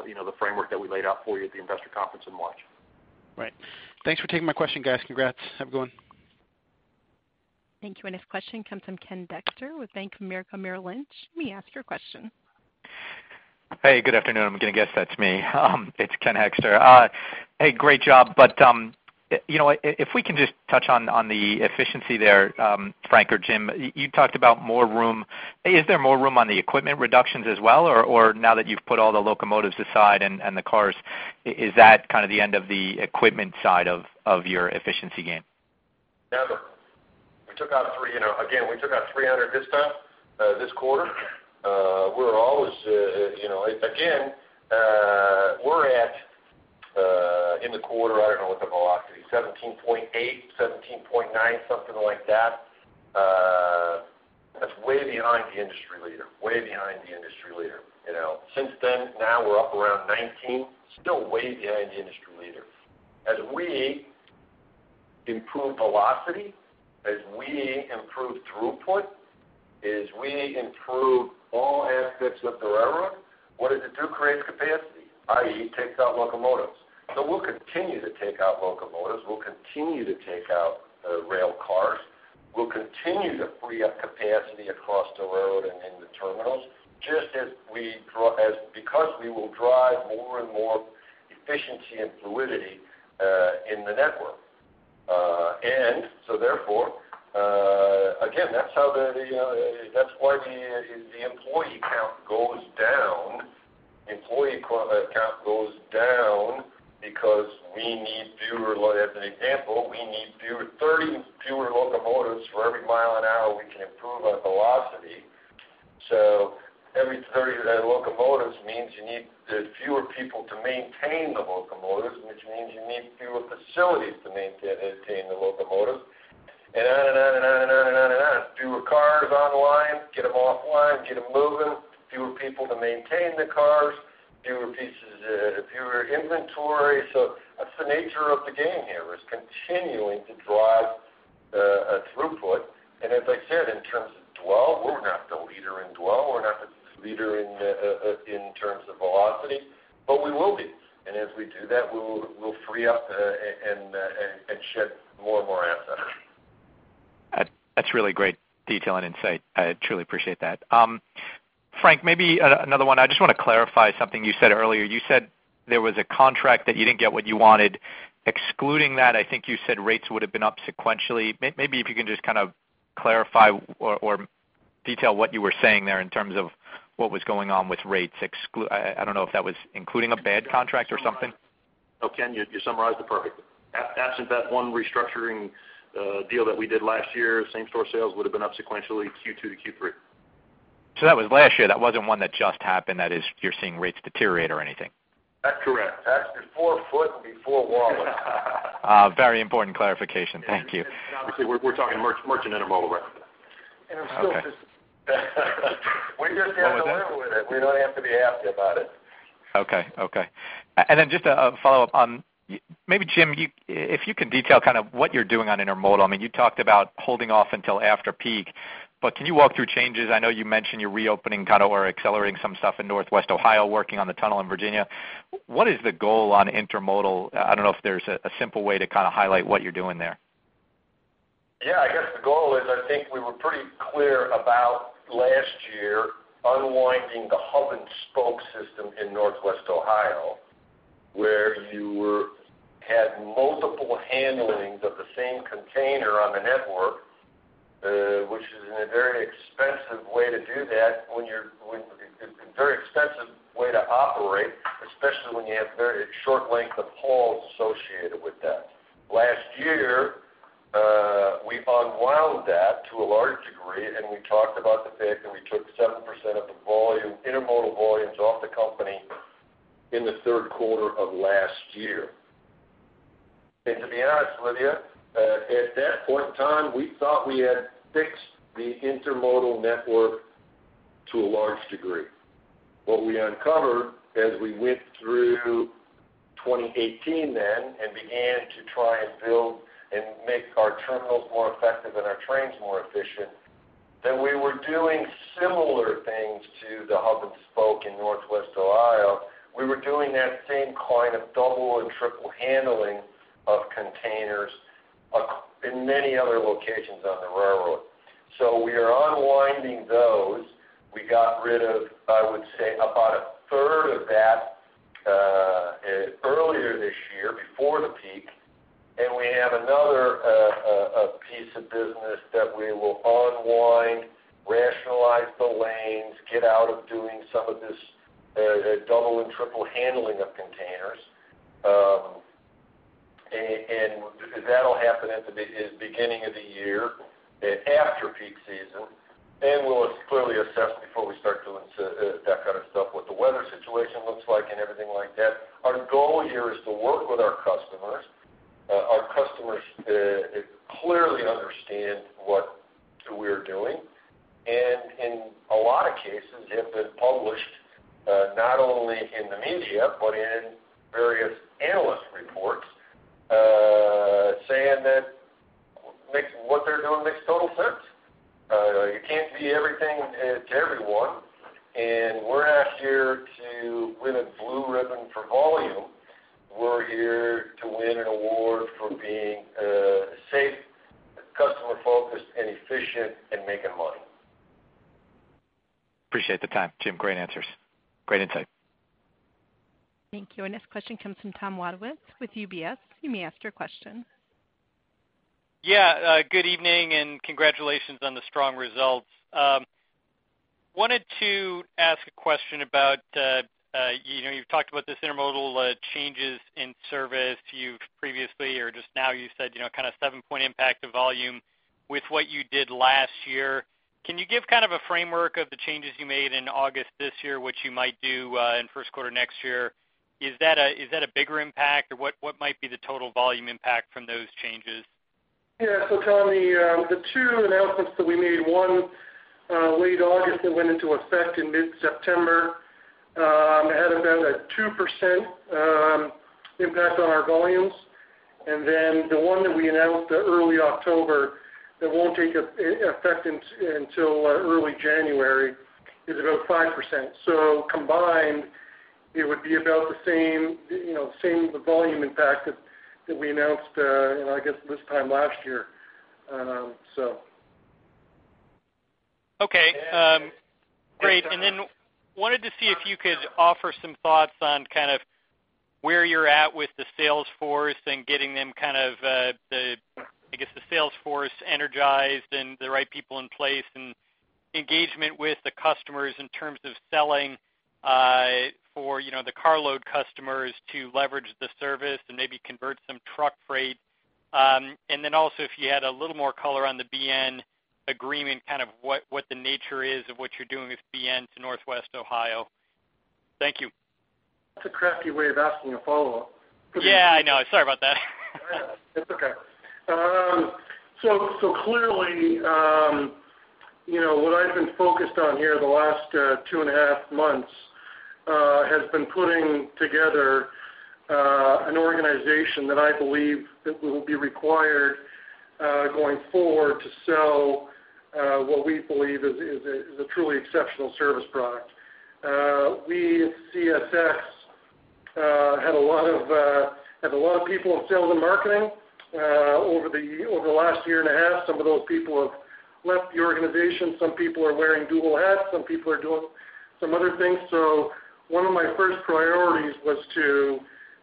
the framework that we laid out for you at the investor conference in March.
Right. Thanks for taking my question, guys. Congrats. Have a good one.
Thank you. Our next question comes from Ken Hoexter with Bank of America Merrill Lynch. Please ask your question.
Hey, good afternoon. I'm going to guess that's me. It's Ken Hoexter. Hey, great job. If we can just touch on the efficiency there, Frank or Jim, you talked about more room. Is there more room on the equipment reductions as well? Or now that you've put all the locomotives aside and the cars, is that the end of the equipment side of your efficiency gain?
No. Again, we took out 300 this time, this quarter. Again, we're at, in the quarter, I don't know what the velocity, 17.8, 17.9, something like that. That's way behind the industry leader. Since then, now we're up around 19, still way behind the industry leader. As we improve velocity, as we improve throughput, as we improve all aspects of the railroad, what does it do? Creates capacity, i.e., takes out locomotives. We'll continue to take out locomotives. We'll continue to take out rail cars. We'll continue to free up capacity across the road and in the terminals, because we will drive more and more efficiency and fluidity in the network. Therefore, again, that's why the employee count goes down. Employee count goes down because we need fewer, as an example, we need 30 fewer locomotives for every mile an hour we can improve our velocity. Every 30 locomotives means you need fewer people to maintain the locomotives, which means you need fewer facilities to maintain the locomotives, and on and on and on and on and on. Fewer cars online, get them offline, get them moving. Fewer people to maintain the cars, fewer pieces, fewer inventory. That's the nature of the game here, is continuing to drive throughput. As I said, in terms of dwell, we're not the leader in dwell. We're not the leader in terms of velocity, but we will be. As we do that, we'll free up and shed more and more assets.
That's really great detail and insight. I truly appreciate that. Frank, maybe another one. I just want to clarify something you said earlier. You said there was a contract that you didn't get what you wanted. Excluding that, I think you said rates would have been up sequentially. Maybe if you can just clarify or detail what you were saying there in terms of what was going on with rates. I don't know if that was including a bad contract or something.
No, Ken, you summarized it perfectly. Absent that one restructuring deal that we did last year, same-store sales would have been up sequentially Q2 to Q3.
That was last year. That wasn't one that just happened, that is, you're seeing rates deteriorate or anything.
That's correct. That's before Foote and before Wallace.
Very important clarification. Thank you.
We're talking merchant intermodal, right?
Intermodal.
We just have to live with it. We don't have to be happy about it.
Okay. Then just a follow-up on, maybe Jim, if you can detail what you're doing on intermodal. You talked about holding off until after peak, but can you walk through changes? I know you mentioned you're reopening or accelerating some stuff in Northwest Ohio, working on the tunnel in Virginia. What is the goal on intermodal? I don't know if there's a simple way to highlight what you're doing there.
I guess the goal is, I think we were pretty clear about last year unwinding the hub and spoke system in Northwest Ohio, where you had multiple handlings of the same container on the network, which is a very expensive way to do that. A very expensive way to operate, especially when you have very short length of hauls associated with that. Last year, we unwound that to a large degree, and we talked about the fact that we took 7% of the intermodal volumes off the company in the third quarter of last year. To be honest with you, at that point in time, we thought we had fixed the intermodal network to a large degree. What we uncovered as we went through 2018 then and began to try and build and make our terminals more effective and our trains more efficient, that we were doing similar things to the hub and spoke in Northwest Ohio. We were doing that same kind of double and triple handling of containers in many other locations on the railroad. We are unwinding those. We got rid of, I would say, about a third of that earlier this year before the peak. We have another piece of business that we will unwind, rationalize the lanes, get out of doing some of this.
A double and triple handling of containers. That'll happen at the beginning of the year, after peak season. We'll clearly assess before we start doing that kind of stuff, what the weather situation looks like and everything like that. Our goal here is to work with our customers. Our customers clearly understand what we're doing, and in a lot of cases, have been published, not only in the media but in various analyst reports, saying that what they're doing makes total sense. You can't be everything to everyone, and we're not here to win a blue ribbon for volume. We're here to win an award for being safe, customer-focused, and efficient, and making money.
Appreciate the time, Jim. Great answers. Great insight.
Thank you. Our next question comes from Thomas Wadewitz with UBS. You may ask your question.
Yeah. Good evening, congratulations on the strong results. Wanted to ask a question about, you've talked about this intermodal changes in service. You've previously, or just now, you said, kind of seven-point impact to volume with what you did last year. Can you give a framework of the changes you made in August this year, which you might do in first quarter next year? Is that a bigger impact, or what might be the total volume impact from those changes?
Tom, the two announcements that we made, one, late August that went into effect in mid-September, had about a 2% impact on our volumes. The one that we announced early October that won't take effect until early January is about 5%. Combined, it would be about the same volume impact that we announced, I guess, this time last year.
Okay. Great. Wanted to see if you could offer some thoughts on where you're at with the sales force and getting them, I guess the sales force energized and the right people in place, and engagement with the customers in terms of selling for the carload customers to leverage the service and maybe convert some truck freight. Also, if you had a little more color on the BNSF agreement, what the nature is of what you're doing with BNSF to Northwest Ohio. Thank you.
That's a crafty way of asking a follow-up.
Yeah, I know. Sorry about that.
It's okay. Clearly, what I've been focused on here the last two and a half months, has been putting together an organization that I believe that will be required, going forward, to sell, what we believe is a truly exceptional service product. We at CSX have a lot of people in sales and marketing. Over the last year and a half, some of those people have left the organization. Some people are wearing dual hats, some people are doing some other things. One of my first priorities was to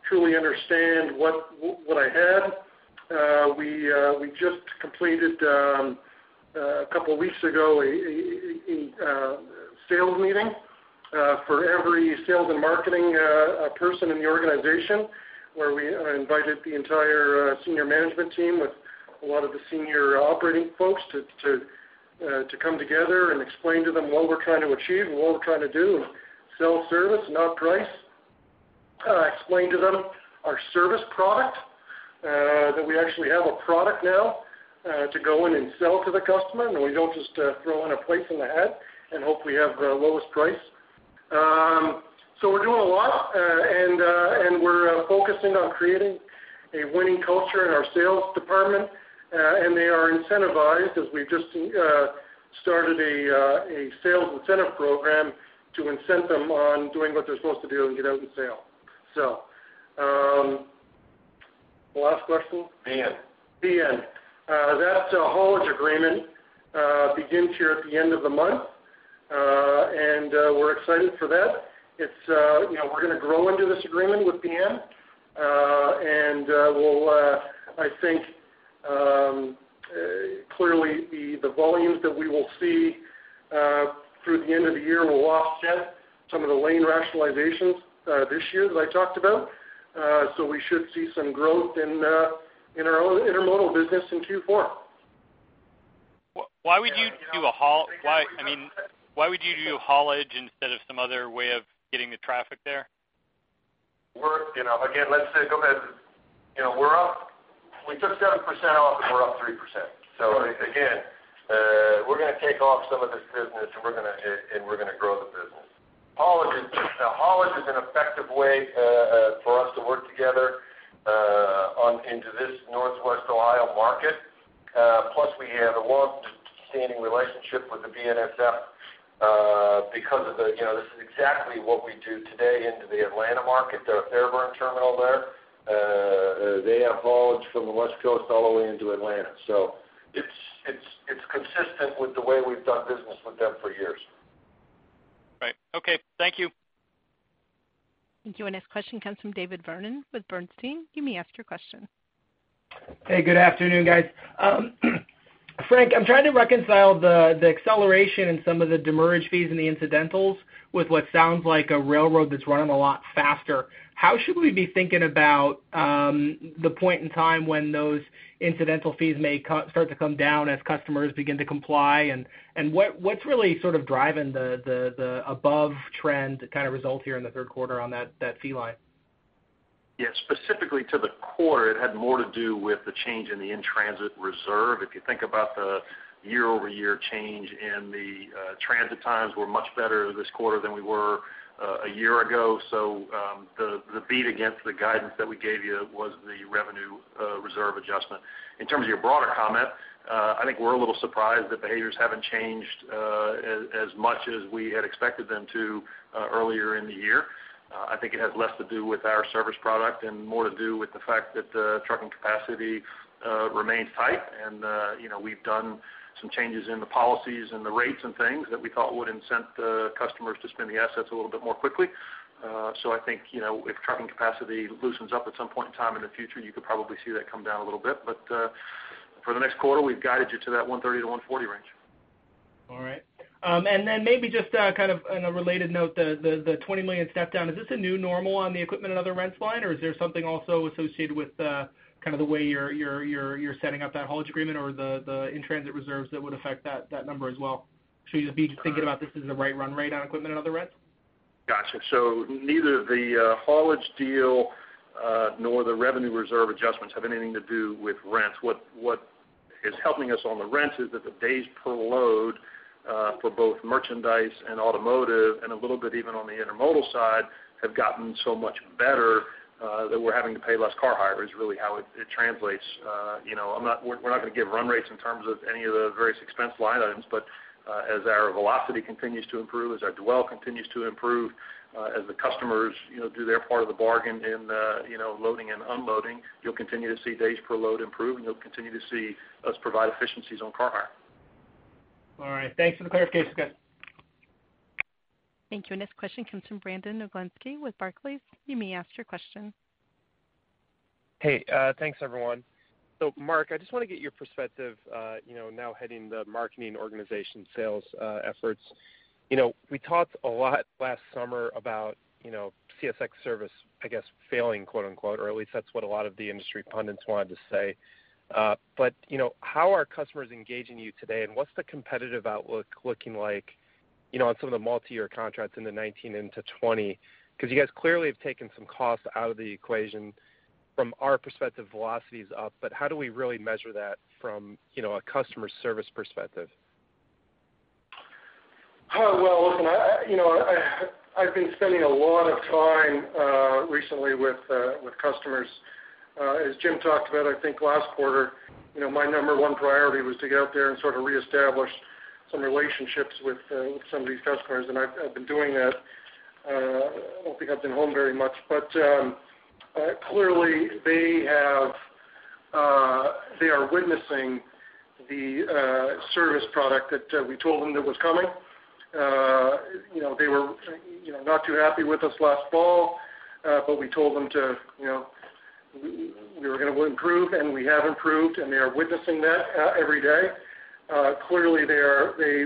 truly understand what I had. We just completed, a couple of weeks ago, a sales meeting for every sales and marketing person in the organization, where we invited the entire senior management team with a lot of the senior operating folks to come together and explain to them what we're trying to achieve and what we're trying to do, and sell service, not price. Explain to them our service product, that we actually have a product now to go in and sell to the customer, and we don't just throw in a price in the hat and hope we have the lowest price. We're doing a lot, and we're focusing on creating a winning culture in our sales department. They are incentivized, as we've just started a sales incentive program to incent them on doing what they're supposed to do and get out and sell. The last question? BNSF.
BNSF. That haulage agreement begins here at the end of the month. We're excited for that. We're going to grow into this agreement with BNSF. We'll, I think, clearly, the volumes that we will see through the end of the year will offset some of the lane rationalizations this year that I talked about. We should see some growth in our intermodal business in Q4.
Why would you do haulage instead of some other way of getting the traffic there?
Let's say, go ahead. We took 7% off. We're up 3%. We're going to take off some of this business, and we're going to grow the business. Haulage is an effective way for us to work together into this Northwest Ohio market. We have a longstanding relationship with the BNSF, because this is exactly what we do today into the Atlanta market, the Fairburn terminal there. They have haulage from the West Coast all the way into Atlanta. It's consistent with the way we've done business with them for years.
Right. Okay. Thank you.
Thank you. Our next question comes from David Vernon with Bernstein. You may ask your question.
Hey, good afternoon, guys. Frank, I'm trying to reconcile the acceleration in some of the demurrage fees and the incidentals with what sounds like a railroad that's running a lot faster. How should we be thinking about the point in time when those incidental fees may start to come down as customers begin to comply? What's really sort of driving the above trend kind of result here in the third quarter on that fee line?
Specifically to the quarter, it had more to do with the change in the in-transit reserve. If you think about the year-over-year change, the transit times were much better this quarter than we were a year ago. The beat against the guidance that we gave you was the revenue reserve adjustment. In terms of your broader comment, I think we're a little surprised that behaviors haven't changed as much as we had expected them to earlier in the year. I think it has less to do with our service product and more to do with the fact that the trucking capacity remains tight and we've done some changes in the policies and the rates and things that we thought would incent the customers to spend the assets a little bit more quickly. I think, if trucking capacity loosens up at some point in time in the future, you could probably see that come down a little bit. For the next quarter, we've guided you to that 130-140 range.
All right. Maybe just kind of on a related note, the $20 million step-down, is this a new normal on the equipment and other rents line, or is there something also associated with the way you're setting up that haulage agreement or the in-transit reserves that would affect that number as well? Should we just be thinking about this as the right run rate on equipment and other rents?
Got you. Neither the haulage deal nor the revenue reserve adjustments have anything to do with rents. What is helping us on the rents is that the days per load for both merchandise and automotive, and a little bit even on the intermodal side, have gotten so much better that we're having to pay less car hire, is really how it translates. We're not going to give run rates in terms of any of the various expense line items, as our velocity continues to improve, as our dwell continues to improve, as the customers do their part of the bargain in loading and unloading, you'll continue to see days per load improve, and you'll continue to see us provide efficiencies on car hire.
All right. Thanks for the clarification, guys.
Thank you. Our next question comes from Brandon Oglenski with Barclays. You may ask your question.
Hey, thanks everyone. Mark, I just want to get your perspective, now heading the marketing organization sales efforts. We talked a lot last summer about CSX service, I guess, "failing," or at least that's what a lot of the industry pundits wanted to say. How are customers engaging you today, and what's the competitive outlook looking like on some of the multi-year contracts in the 2019 into 2020? You guys clearly have taken some costs out of the equation. From our perspective, velocity is up, but how do we really measure that from a customer service perspective?
Well, listen, I've been spending a lot of time recently with customers. As Jim talked about, I think, last quarter, my number 1 priority was to get out there and sort of reestablish some relationships with some of these customers, and I've been doing that. I don't think I've been home very much. Clearly, they are witnessing the service product that we told them that was coming. They were not too happy with us last fall, but we told them we were going to improve, and we have improved, and they are witnessing that every day. Clearly, they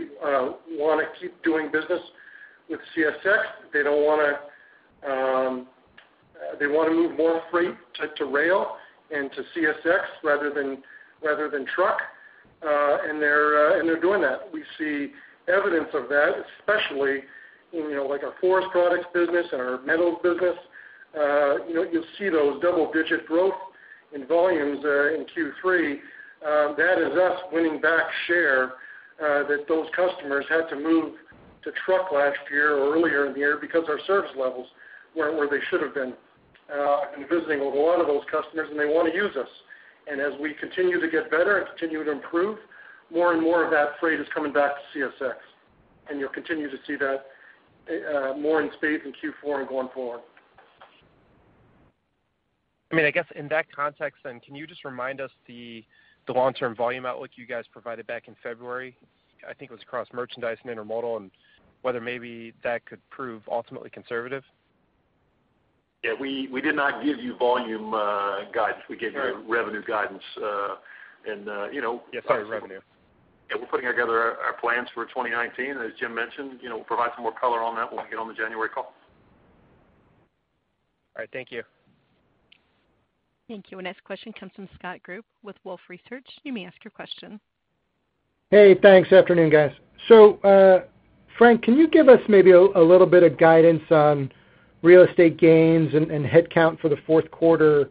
want to keep doing business with CSX. They want to move more freight to rail and to CSX rather than truck, and they're doing that. We see evidence of that, especially in our forest products business and our metals business. You'll see those double-digit growth in volumes in Q3. That is us winning back share that those customers had to move to truck last year or earlier in the year because our service levels weren't where they should have been. I've been visiting a lot of those customers, they want to use us. As we continue to get better and continue to improve, more and more of that freight is coming back to CSX. You'll continue to see that more in spades in Q4 and going forward.
I guess in that context, can you just remind us the long-term volume outlook you guys provided back in February? I think it was across merchandise and intermodal, whether maybe that could prove ultimately conservative.
Yeah, we did not give you volume guidance. We gave you revenue guidance.
Yeah, sorry, revenue.
Yeah, we're putting together our plans for 2019. As Jim mentioned, we'll provide some more color on that when we get on the January call.
All right. Thank you.
Thank you. Our next question comes from Scott Group with Wolfe Research. You may ask your question.
Hey, thanks. Afternoon, guys. Frank, can you give us maybe a little bit of guidance on real estate gains and headcount for the fourth quarter?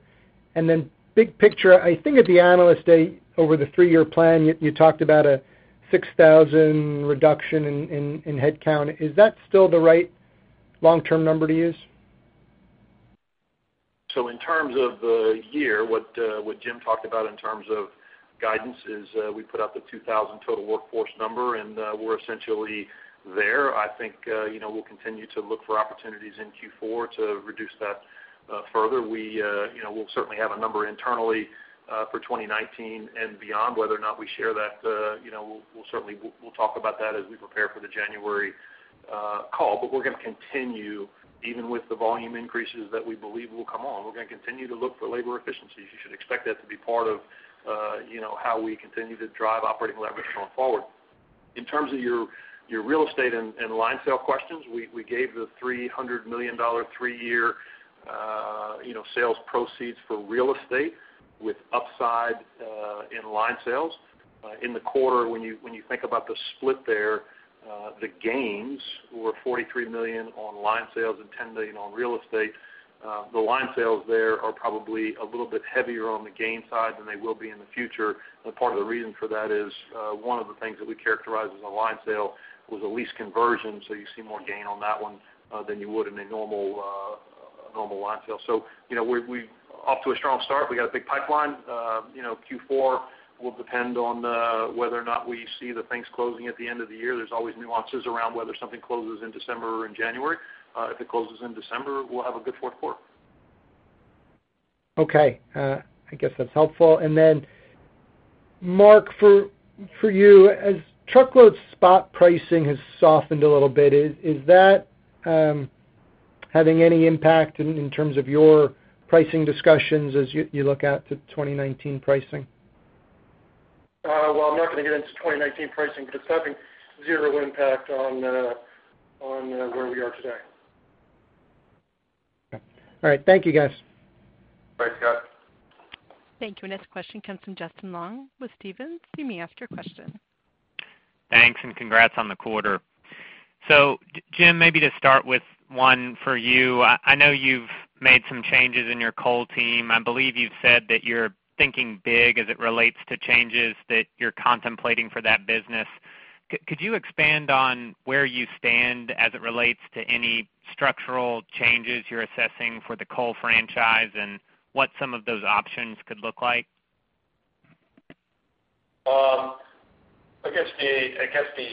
Then big picture, I think at the Analyst Day over the three-year plan, you talked about a 6,000 reduction in headcount. Is that still the right long-term number to use?
In terms of the year, what Jim talked about in terms of guidance is we put out the 2,000 total workforce number, and we're essentially there. I think we'll continue to look for opportunities in Q4 to reduce that further. We'll certainly have a number internally for 2019 and beyond. Whether or not we share that, we'll talk about that as we prepare for the January call. We're going to continue, even with the volume increases that we believe will come on, we're going to continue to look for labor efficiencies. You should expect that to be part of how we continue to drive operating leverage going forward. In terms of your real estate and line sale questions, we gave the $300 million three-year sales proceeds for real estate with upside in line sales. In the quarter, when you think about the split there, the gains were $43 million on line sales and $10 million on real estate. The line sales there are probably a little bit heavier on the gain side than they will be in the future. Part of the reason for that is one of the things that we characterize as a line sale was a lease conversion. You see more gain on that one than you would in a normal line sale. We're off to a strong start. We got a big pipeline. Q4 will depend on whether or not we see the things closing at the end of the year. There's always nuances around whether something closes in December or in January. If it closes in December, we'll have a good fourth quarter.
Okay. I guess that's helpful. Then, Mark, for you, as truckload spot pricing has softened a little bit, is that having any impact in terms of your pricing discussions as you look out to 2019 pricing?
I'm not going to get into 2019 pricing, but it's having zero impact on where we are today.
Okay. All right. Thank you, guys.
Thanks, Scott.
Thank you. Our next question comes from Justin Long with Stephens. You may ask your question.
Thanks, and congrats on the quarter. Jim, maybe to start with one for you. I know you've made some changes in your coal team. I believe you've said that you're thinking big as it relates to changes that you're contemplating for that business. Could you expand on where you stand as it relates to any structural changes you're assessing for the coal franchise and what some of those options could look like?
I guess the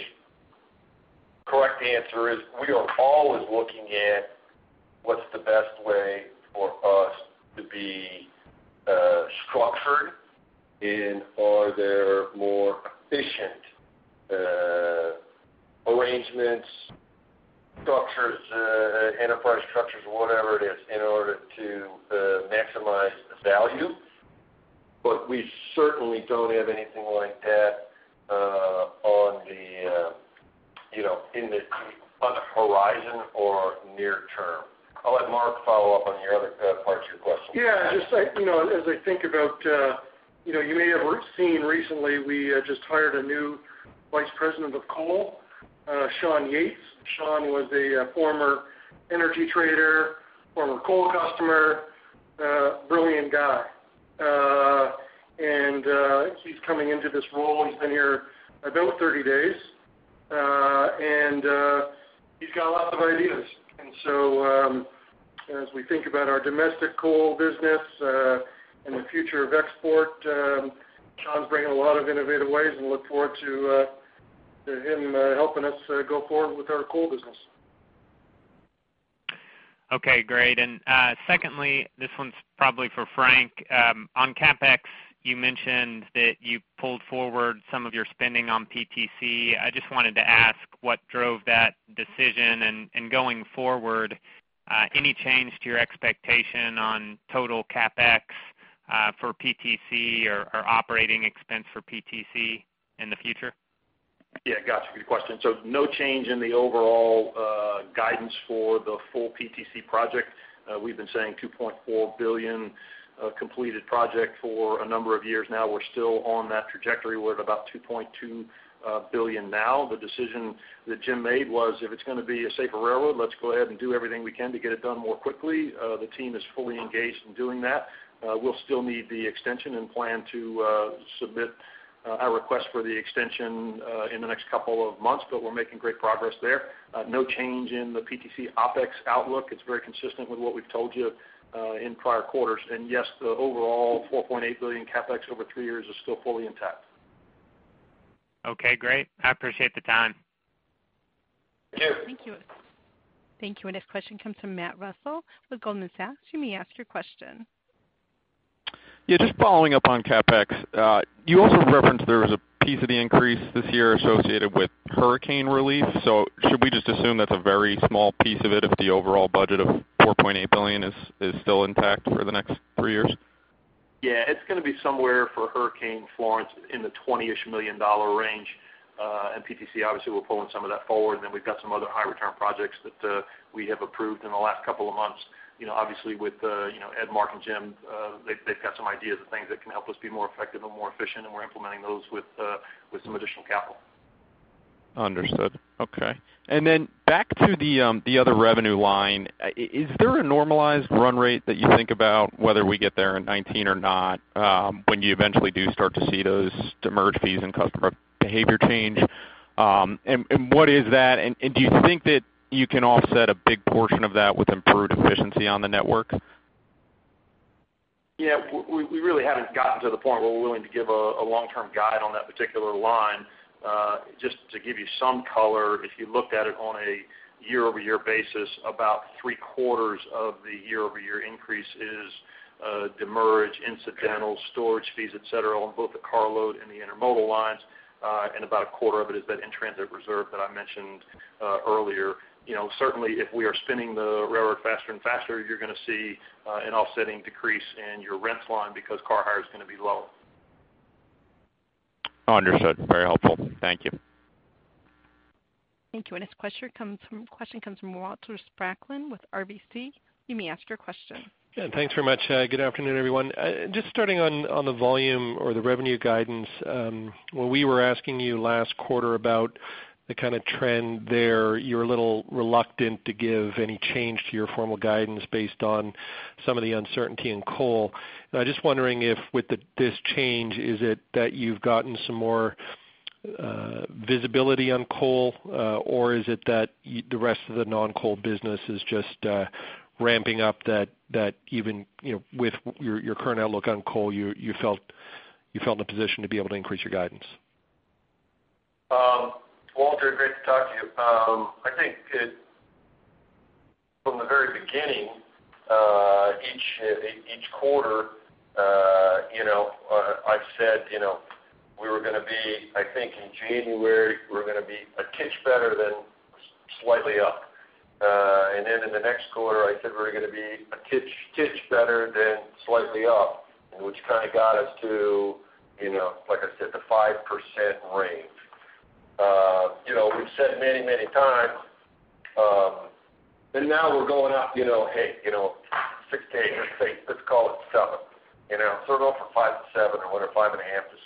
correct answer is we are always looking at what's the best way for us to be structured and are there more efficient arrangements, enterprise structures, or whatever it is in order to maximize the value. We certainly don't have anything like that on the horizon or near term. I'll let Mark follow up on your other parts of your question.
As I think about, you may have seen recently we just hired a new Vice President of Coal, Shon Yates. Shon was a former energy trader, former coal customer, brilliant guy. He's coming into this role, he's been here about 30 days, and he's got lots of ideas. As we think about our domestic coal business and the future of export, Shon's bringing a lot of innovative ways and look forward to him helping us go forward with our coal business.
Okay, great. Secondly, this one's probably for Frank. On CapEx, you mentioned that you pulled forward some of your spending on PTC. I just wanted to ask what drove that decision? Going forward, any change to your expectation on total CapEx for PTC or operating expense for PTC in the future?
Got you. Good question. No change in the overall guidance for the full PTC project. We've been saying $2.4 billion completed project for a number of years now. We're still on that trajectory. We're at about $2.2 billion now. The decision that Jim made was, if it's going to be a safer railroad, let's go ahead and do everything we can to get it done more quickly. The team is fully engaged in doing that. We'll still need the extension and plan to submit our request for the extension in the next couple of months, but we're making great progress there. No change in the PTC OpEx outlook. It's very consistent with what we've told you in prior quarters. Yes, the overall $4.8 billion CapEx over three years is still fully intact.
Okay, great. I appreciate the time.
Thank you.
Thank you. Our next question comes from Matt Reustle with Goldman Sachs. You may ask your question.
Yeah, just following up on CapEx. You also referenced there was a piece of the increase this year associated with hurricane relief. Should we just assume that's a very small piece of it if the overall budget of $4.8 billion is still intact for the next three years?
Yeah, it's going to be somewhere for Hurricane Florence in the $20-ish million range. PTC, obviously, we're pulling some of that forward, and then we've got some other high return projects that we have approved in the last couple of months. Obviously with Ed, Mark, and Jim, they've got some ideas of things that can help us be more effective and more efficient, and we're implementing those with some additional capital.
Understood. Okay. Then back to the other revenue line. Is there a normalized run rate that you think about whether we get there in 2019 or not? When you eventually do start to see those demurrage fees and customer behavior change? What is that, and do you think that you can offset a big portion of that with improved efficiency on the network?
Yeah, we really haven't gotten to the point where we're willing to give a long-term guide on that particular line. Just to give you some color, if you looked at it on a year-over-year basis, about three-quarters of the year-over-year increase is demurrage, incidentals, storage fees, et cetera, on both the carload and the intermodal lines, and about a quarter of it is that in-transit reserve that I mentioned earlier. Certainly, if we are spinning the railroad faster and faster, you're going to see an offsetting decrease in your rents line because car hire is going to be low.
Understood. Very helpful. Thank you.
Thank you. The next question comes from Walter Spracklin with RBC. You may ask your question.
Yeah. Thanks very much. Good afternoon, everyone. Just starting on the volume or the revenue guidance. When we were asking you last quarter about the kind of trend there, you were a little reluctant to give any change to your formal guidance based on some of the uncertainty in coal. Now, just wondering if with this change, is it that you've gotten some more visibility on coal, or is it that the rest of the non-coal business is just ramping up that even with your current outlook on coal, you felt in a position to be able to increase your guidance?
Walter, great to talk to you. I think from the very beginning, each quarter, I've said we were going to be, I think in January, we're going to be a titch better than slightly up. Then in the next quarter, I said we're going to be a titch better than slightly up, which kind of got us to, like I said, the 5% range. We've said many times, now we're going up, hey, 6%-8%. Let's say, let's call it seven. Sort of off from 5%-7% or whatever, five and a half to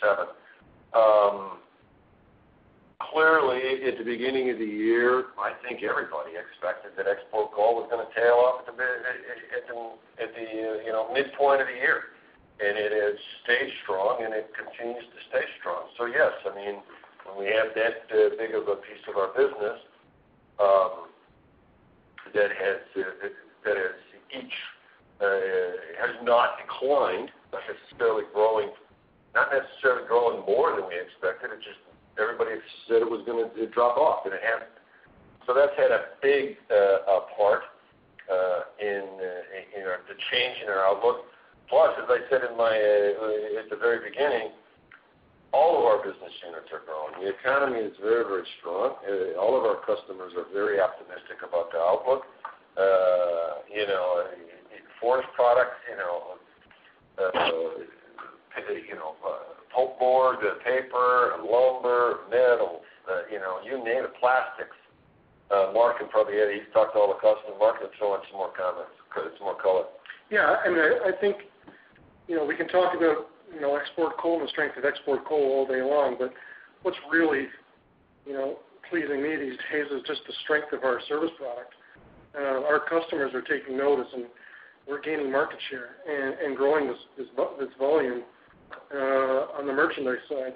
7%. Clearly, at the beginning of the year, I think everybody expected that export coal was going to tail off at the midpoint of the year, it has stayed strong, and it continues to stay strong. Yes, when we have that big of a piece of our business that has not declined, but has steadily growing, not necessarily growing more than we expected. It's just everybody said it was going to drop off, and it hasn't. That's had a big part in the change in our outlook. Plus, as I said at the very beginning, all of our business units are growing. The economy is very strong. All of our customers are very optimistic about the outlook. Forest products, pulpboard, paper, lumber, metals, you name it, plastics. Mark can probably add. He's talked to all the customer markets, much more comments, more color.
I think we can talk about export coal and the strength of export coal all day long. What's really pleasing me these days is just the strength of our service product. Our customers are taking notice, and we're gaining market share and growing this volume on the merchandise side.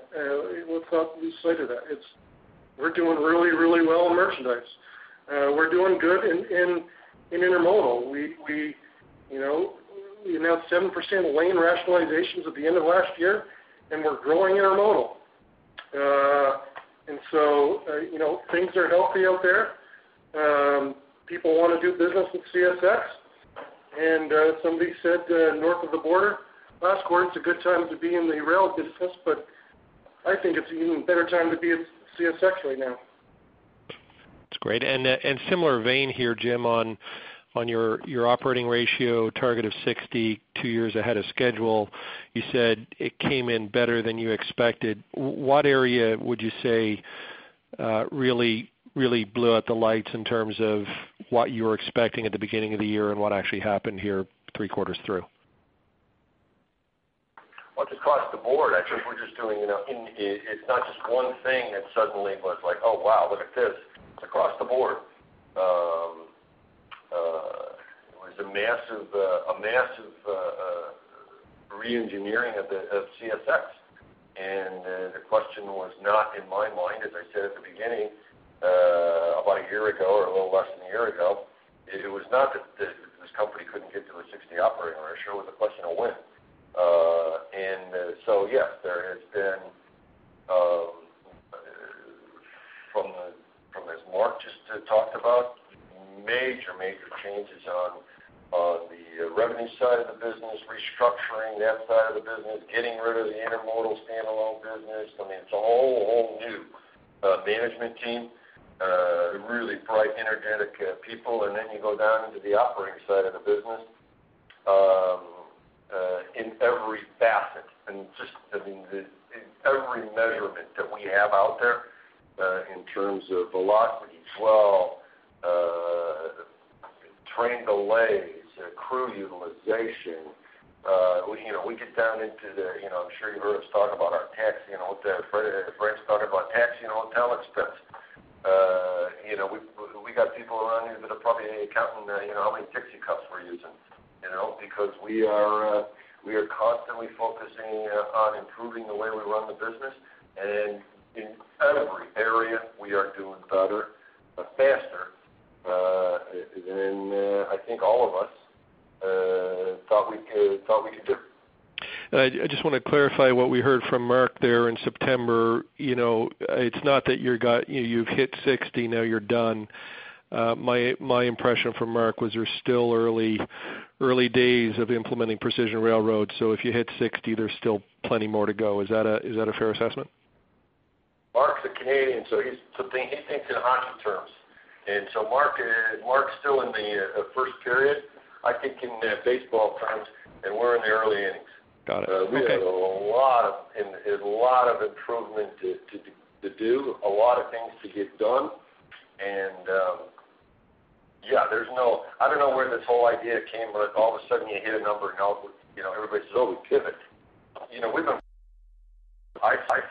We'll let you say to that, we're doing really well on merchandise. We're doing good in intermodal. We announced 7% lane rationalizations at the end of last year, and we're growing intermodal. Things are healthy out there. People want to do business with CSX, and somebody said north of the border last quarter, it's a good time to be in the rail business, I think it's an even better time to be at CSX right now.
That's great. Similar vein here, Jim, on your operating ratio target of 60, two years ahead of schedule, you said it came in better than you expected. What area would you say really blew out the lights in terms of what you were expecting at the beginning of the year and what actually happened here three quarters through?
Just across the board, I think we're just doing, it's not just one thing that suddenly was like, "Oh, wow, look at this." It's across the board. It was a massive re-engineering of CSX. The question was not in my mind, as I said at the beginning, about a year ago or a little less than a year ago, it was not that this company couldn't get to a 60 operating ratio. It was a question of when. Yes, there has been, from, as Mark just talked about, major changes on the revenue side of the business, restructuring that side of the business, getting rid of the intermodal standalone business. It's a whole new management team, really bright, energetic people. You go down into the operating side of the business, in every facet and just in every measurement that we have out there, in terms of velocity, dwell, train delays, crew utilization. We get down into the, I'm sure you've heard us talk about our taxi and hotel, Fred's talking about taxi and hotel expense. We got people around here that are probably counting how many Dixie cups we're using because we are constantly focusing on improving the way we run the business, in every area, we are doing better, but faster Than I think all of us thought we could do.
I just want to clarify what we heard from Mark there in September. It's not that you've hit 60, now you're done. My impression from Mark was you're still early days of implementing Precision Scheduled Railroading. If you hit 60, there's still plenty more to go. Is that a fair assessment?
Mark's a Canadian, so he thinks in hockey terms. Mark's still in the first period, I think in baseball terms, and we're in the early innings.
Got it. Okay.
We have a lot of improvement to do, a lot of things to get done. I don't know where this whole idea came, but all of a sudden you hit a number and now everybody says, "Oh, we pivot." I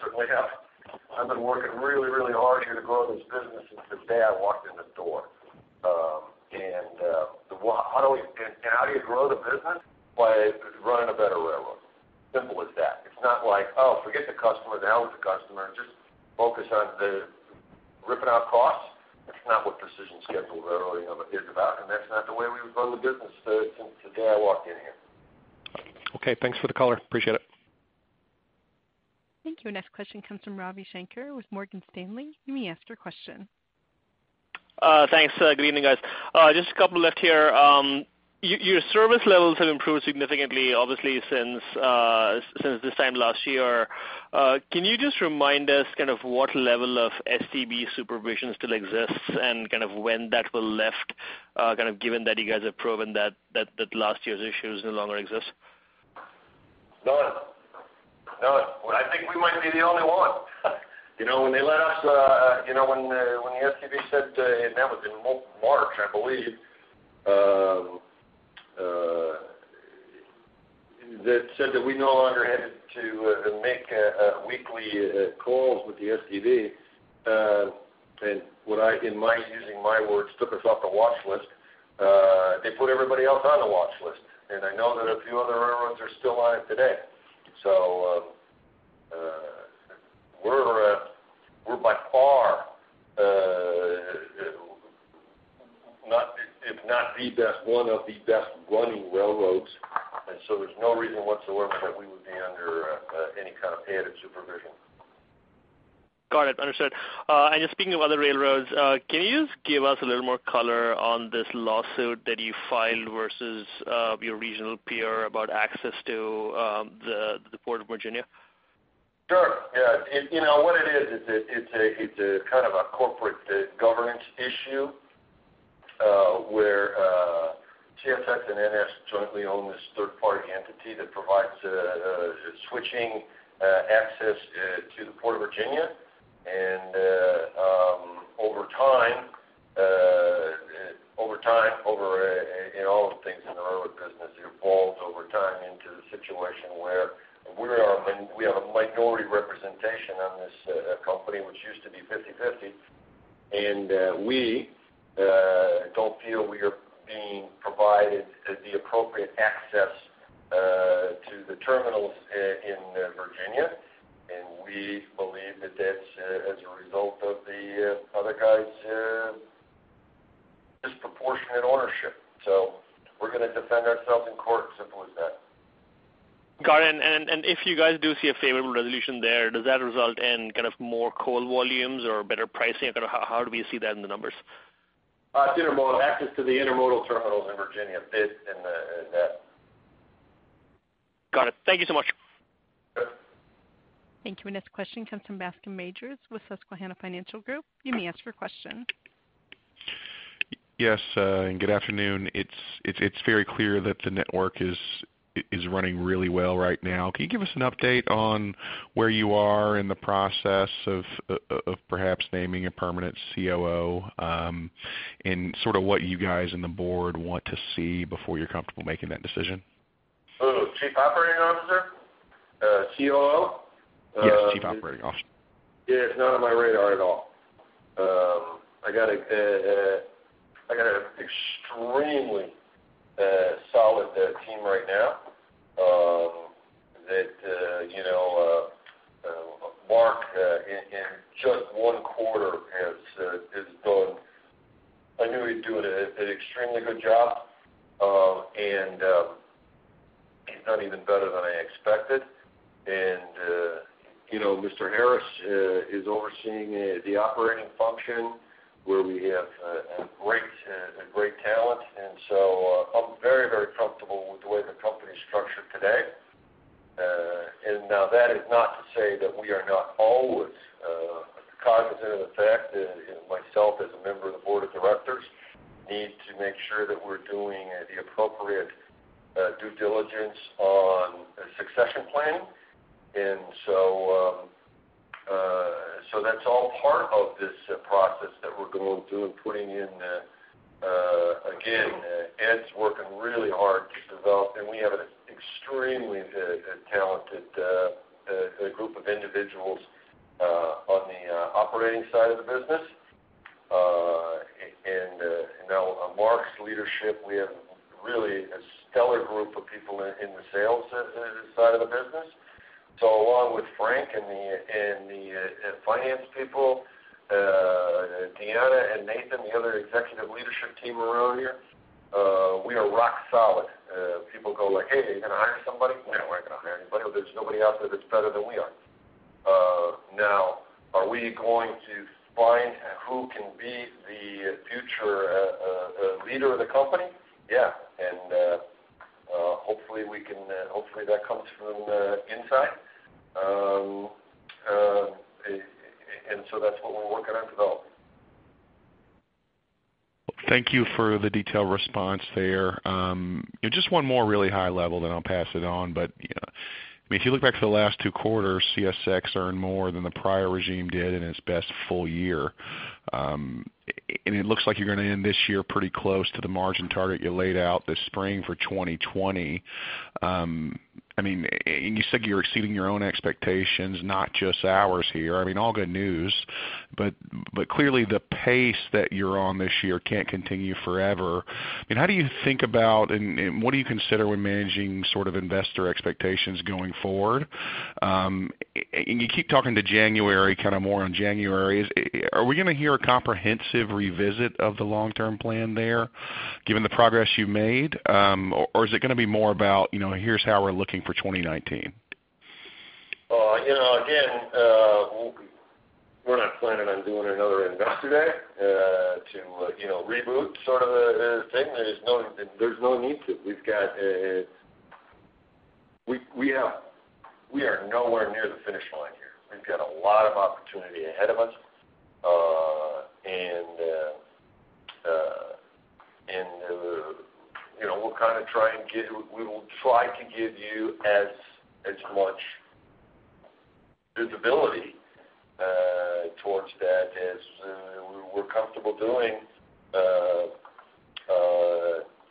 certainly haven't. I've been working really hard here to grow this business since the day I walked in the door. How do you grow the business? By running a better railroad. Simple as that. It's not like, oh, forget the customer, to hell with the customer, just focus on ripping out costs. That's not what Precision Scheduled Railroading is about, and that's not the way we've run the business since the day I walked in here.
Okay. Thanks for the color. Appreciate it.
Thank you. Next question comes from Ravi Shanker with Morgan Stanley. You may ask your question.
Thanks. Good evening, guys. Just a couple left here. Your service levels have improved significantly, obviously, since this time last year. Can you just remind us what level of STB supervision still exists and when that will lift, given that you guys have proven that last year's issues no longer exist?
None. I think we might be the only one. When the STB said, and that was in March, I believe, that said that we no longer had to make weekly calls with the STB, and in my using my words, took us off the watchlist. They put everybody else on the watchlist, and I know that a few other railroads are still on it today. We're by far, if not the best, one of the best running railroads. There's no reason whatsoever that we would be under any kind of added supervision.
Got it. Understood. Just speaking of other railroads, can you just give us a little more color on this lawsuit that you filed versus your regional peer about access to the Port of Virginia?
Sure, yeah. What it is, it's a corporate governance issue, where CSX and NS jointly own this third-party entity that provides switching access to the Port of Virginia. Over time, in all the things in the railroad business, it evolves over time into the situation where we have a minority representation on this company, which used to be 50/50. We don't feel we are being provided the appropriate access to the terminals in Virginia. We believe that that's as a result of the other guy's disproportionate ownership. We're going to defend ourselves in court, simple as that.
Got it. If you guys do see a favorable resolution there, does that result in more coal volumes or better pricing? How do we see that in the numbers?
Access to the intermodal terminals in Virginia fits in that.
Got it. Thank you so much.
Sure.
Thank you. Next question comes from Bascome Majors with Susquehanna Financial Group. You may ask your question.
Yes, good afternoon. It's very clear that the network is running really well right now. Can you give us an update on where you are in the process of perhaps naming a permanent COO, and sort of what you guys in the board want to see before you're comfortable making that decision?
Oh, Chief Operating Officer? COO?
Yes, Chief Operating Officer.
It's not on my radar at all. I got an extremely solid team right now. Mark, in just one quarter, has done I knew he'd do an extremely good job, and he's done even better than I expected. Mr. Harris is overseeing the operating function, where we have a great talent. I'm very comfortable with the way the company's structured today. Now that is not to say that we are not always cognizant of the fact that myself, as a member of the board of directors, need to make sure that we're doing the appropriate due diligence on succession planning. That's all part of this process that we're going through, putting in, again, Ed's working really hard to develop, and we have an extremely talented group of individuals on the operating side of the business. Now Mark's leadership, we have really a stellar group of people in the sales side of the business. Along with Frank and the finance people, Deanna and Nathan, the other executive leadership team around here, we are rock solid. People go like, "Hey, are you going to hire somebody?" No, we're not going to hire anybody. There's nobody out there that's better than we are. Now, are we going to find who can be the future leader of the company? Yeah. Hopefully, that comes from inside. That's what we're working on developing.
Thank you for the detailed response there. Just one more really high level, then I'll pass it on. If you look back to the last two quarters, CSX earned more than the prior regime did in its best full year. It looks like you're going to end this year pretty close to the margin target you laid out this spring for 2020. You said you're exceeding your own expectations, not just ours here. All good news, but clearly the pace that you're on this year can't continue forever. How do you think about and what do you consider when managing investor expectations going forward? You keep talking to January, more on January. Are we going to hear a comprehensive revisit of the long-term plan there given the progress you made? Is it going to be more about, here's how we're looking for 2019?
Again, we're not planning on doing another investor day to reboot sort of a thing. There's no need to. We are nowhere near the finish line here. We've got a lot of opportunity ahead of us. We'll try to give you as much visibility towards that as we're comfortable doing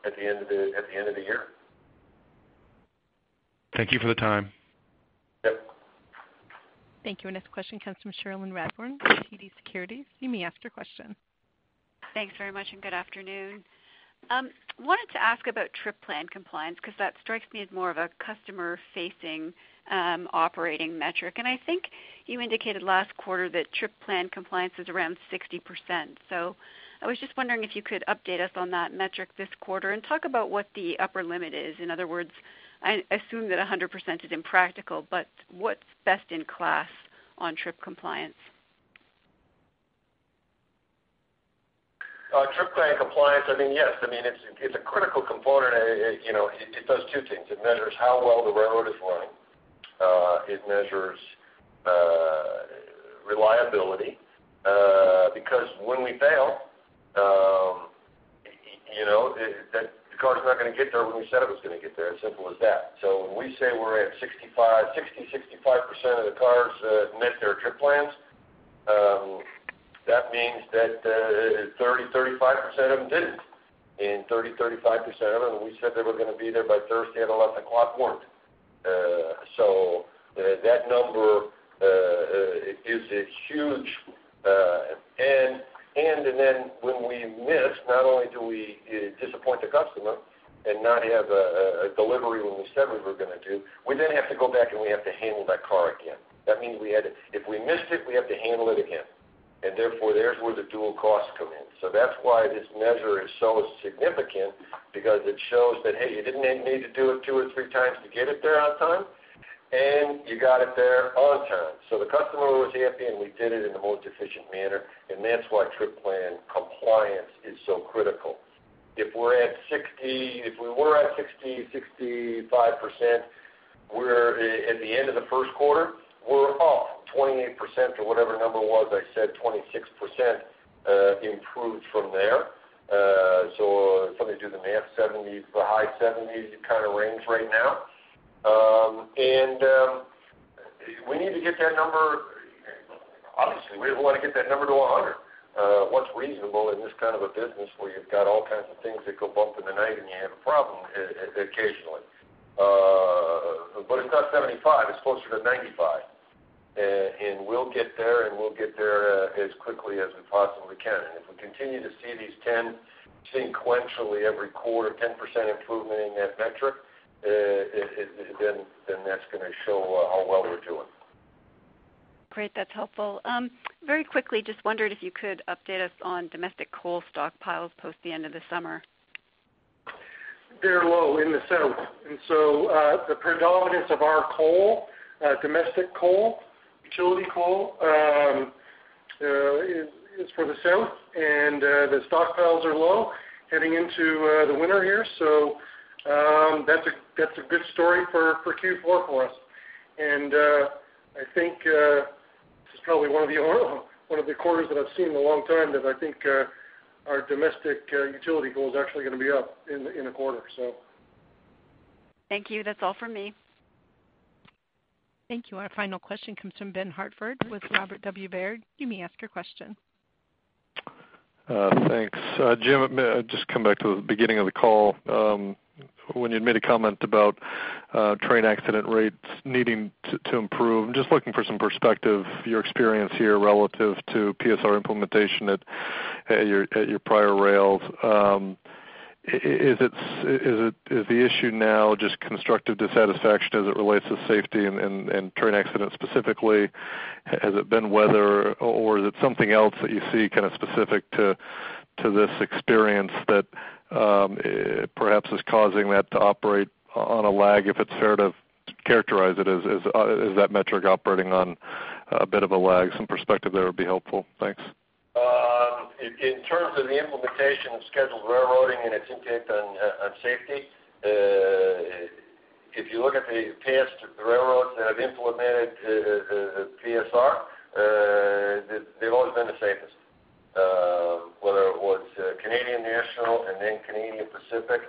at the end of the year.
Thank you for the time.
Yep.
Thank you. Our next question comes from Cherilyn Radbourne with TD Securities. You may ask your question.
Thanks very much, and good afternoon. Wanted to ask about trip plan compliance, because that strikes me as more of a customer-facing operating metric. I think you indicated last quarter that trip plan compliance was around 60%. I was just wondering if you could update us on that metric this quarter and talk about what the upper limit is. In other words, I assume that 100% is impractical, but what's best in class on trip compliance?
Trip plan compliance, yes. It's a critical component. It does two things. It measures how well the railroad is running. It measures reliability, because when we fail, the car's not going to get there when we said it was going to get there, simple as that. When we say we're at 60%-65% of the cars met their trip plans, that means that 30%-35% of them didn't. 30%-35% of them, we said they were going to be there by Thursday at 11:00. The clock weren't. That number is huge. When we miss, not only do we disappoint the customer and not have a delivery when we said we were going to do, we then have to go back and we have to handle that car again. If we missed it, we have to handle it again. Therefore, there's where the dual costs come in. That's why this measure is so significant because it shows that, hey, you didn't need to do it two or three times to get it there on time, and you got it there on time. The customer was happy, and we did it in the most efficient manner, and that's why trip plan compliance is so critical. If we were at 60%-65% at the end of the first quarter, we're up 28% or whatever the number was. I said 26% improved from there. Something to do in the mid-70s, the high 70s kind of range right now. We need to get that number, obviously, we want to get that number to 100. What's reasonable in this kind of a business where you've got all kinds of things that go bump in the night and you have a problem occasionally. It's not 75, it's closer to 95. We'll get there, and we'll get there as quickly as we possibly can. If we continue to see these 10 sequentially every quarter, 10% improvement in that metric, that's going to show how well we're doing.
Great. That's helpful. Very quickly, just wondered if you could update us on domestic coal stockpiles post the end of the summer.
They're low in the south. The predominance of our coal, domestic coal, utility coal, is for the south, and the stockpiles are low heading into the winter here. That's a good story for Q4 for us. I think this is probably one of the only one of the quarters that I've seen in a long time that I think our domestic utility coal is actually going to be up in a quarter.
Thank you. That's all for me.
Thank you. Our final question comes from Benjamin Hartford with Robert W. Baird. You may ask your question.
Thanks. Jim, just come back to the beginning of the call. When you had made a comment about train accident rates needing to improve, I am just looking for some perspective, your experience here relative to PSR implementation at your prior rails. Is the issue now just constructive dissatisfaction as it relates to safety and train accidents specifically? Has it been weather or is it something else that you see specific to this experience that perhaps is causing that to operate on a lag, if it is fair to characterize it as that metric operating on a bit of a lag? Some perspective there would be helpful. Thanks.
In terms of the implementation of scheduled railroading and its impact on safety, if you look at the past railroads that have implemented PSR, they have always been the safest, whether it was Canadian National and then Canadian Pacific.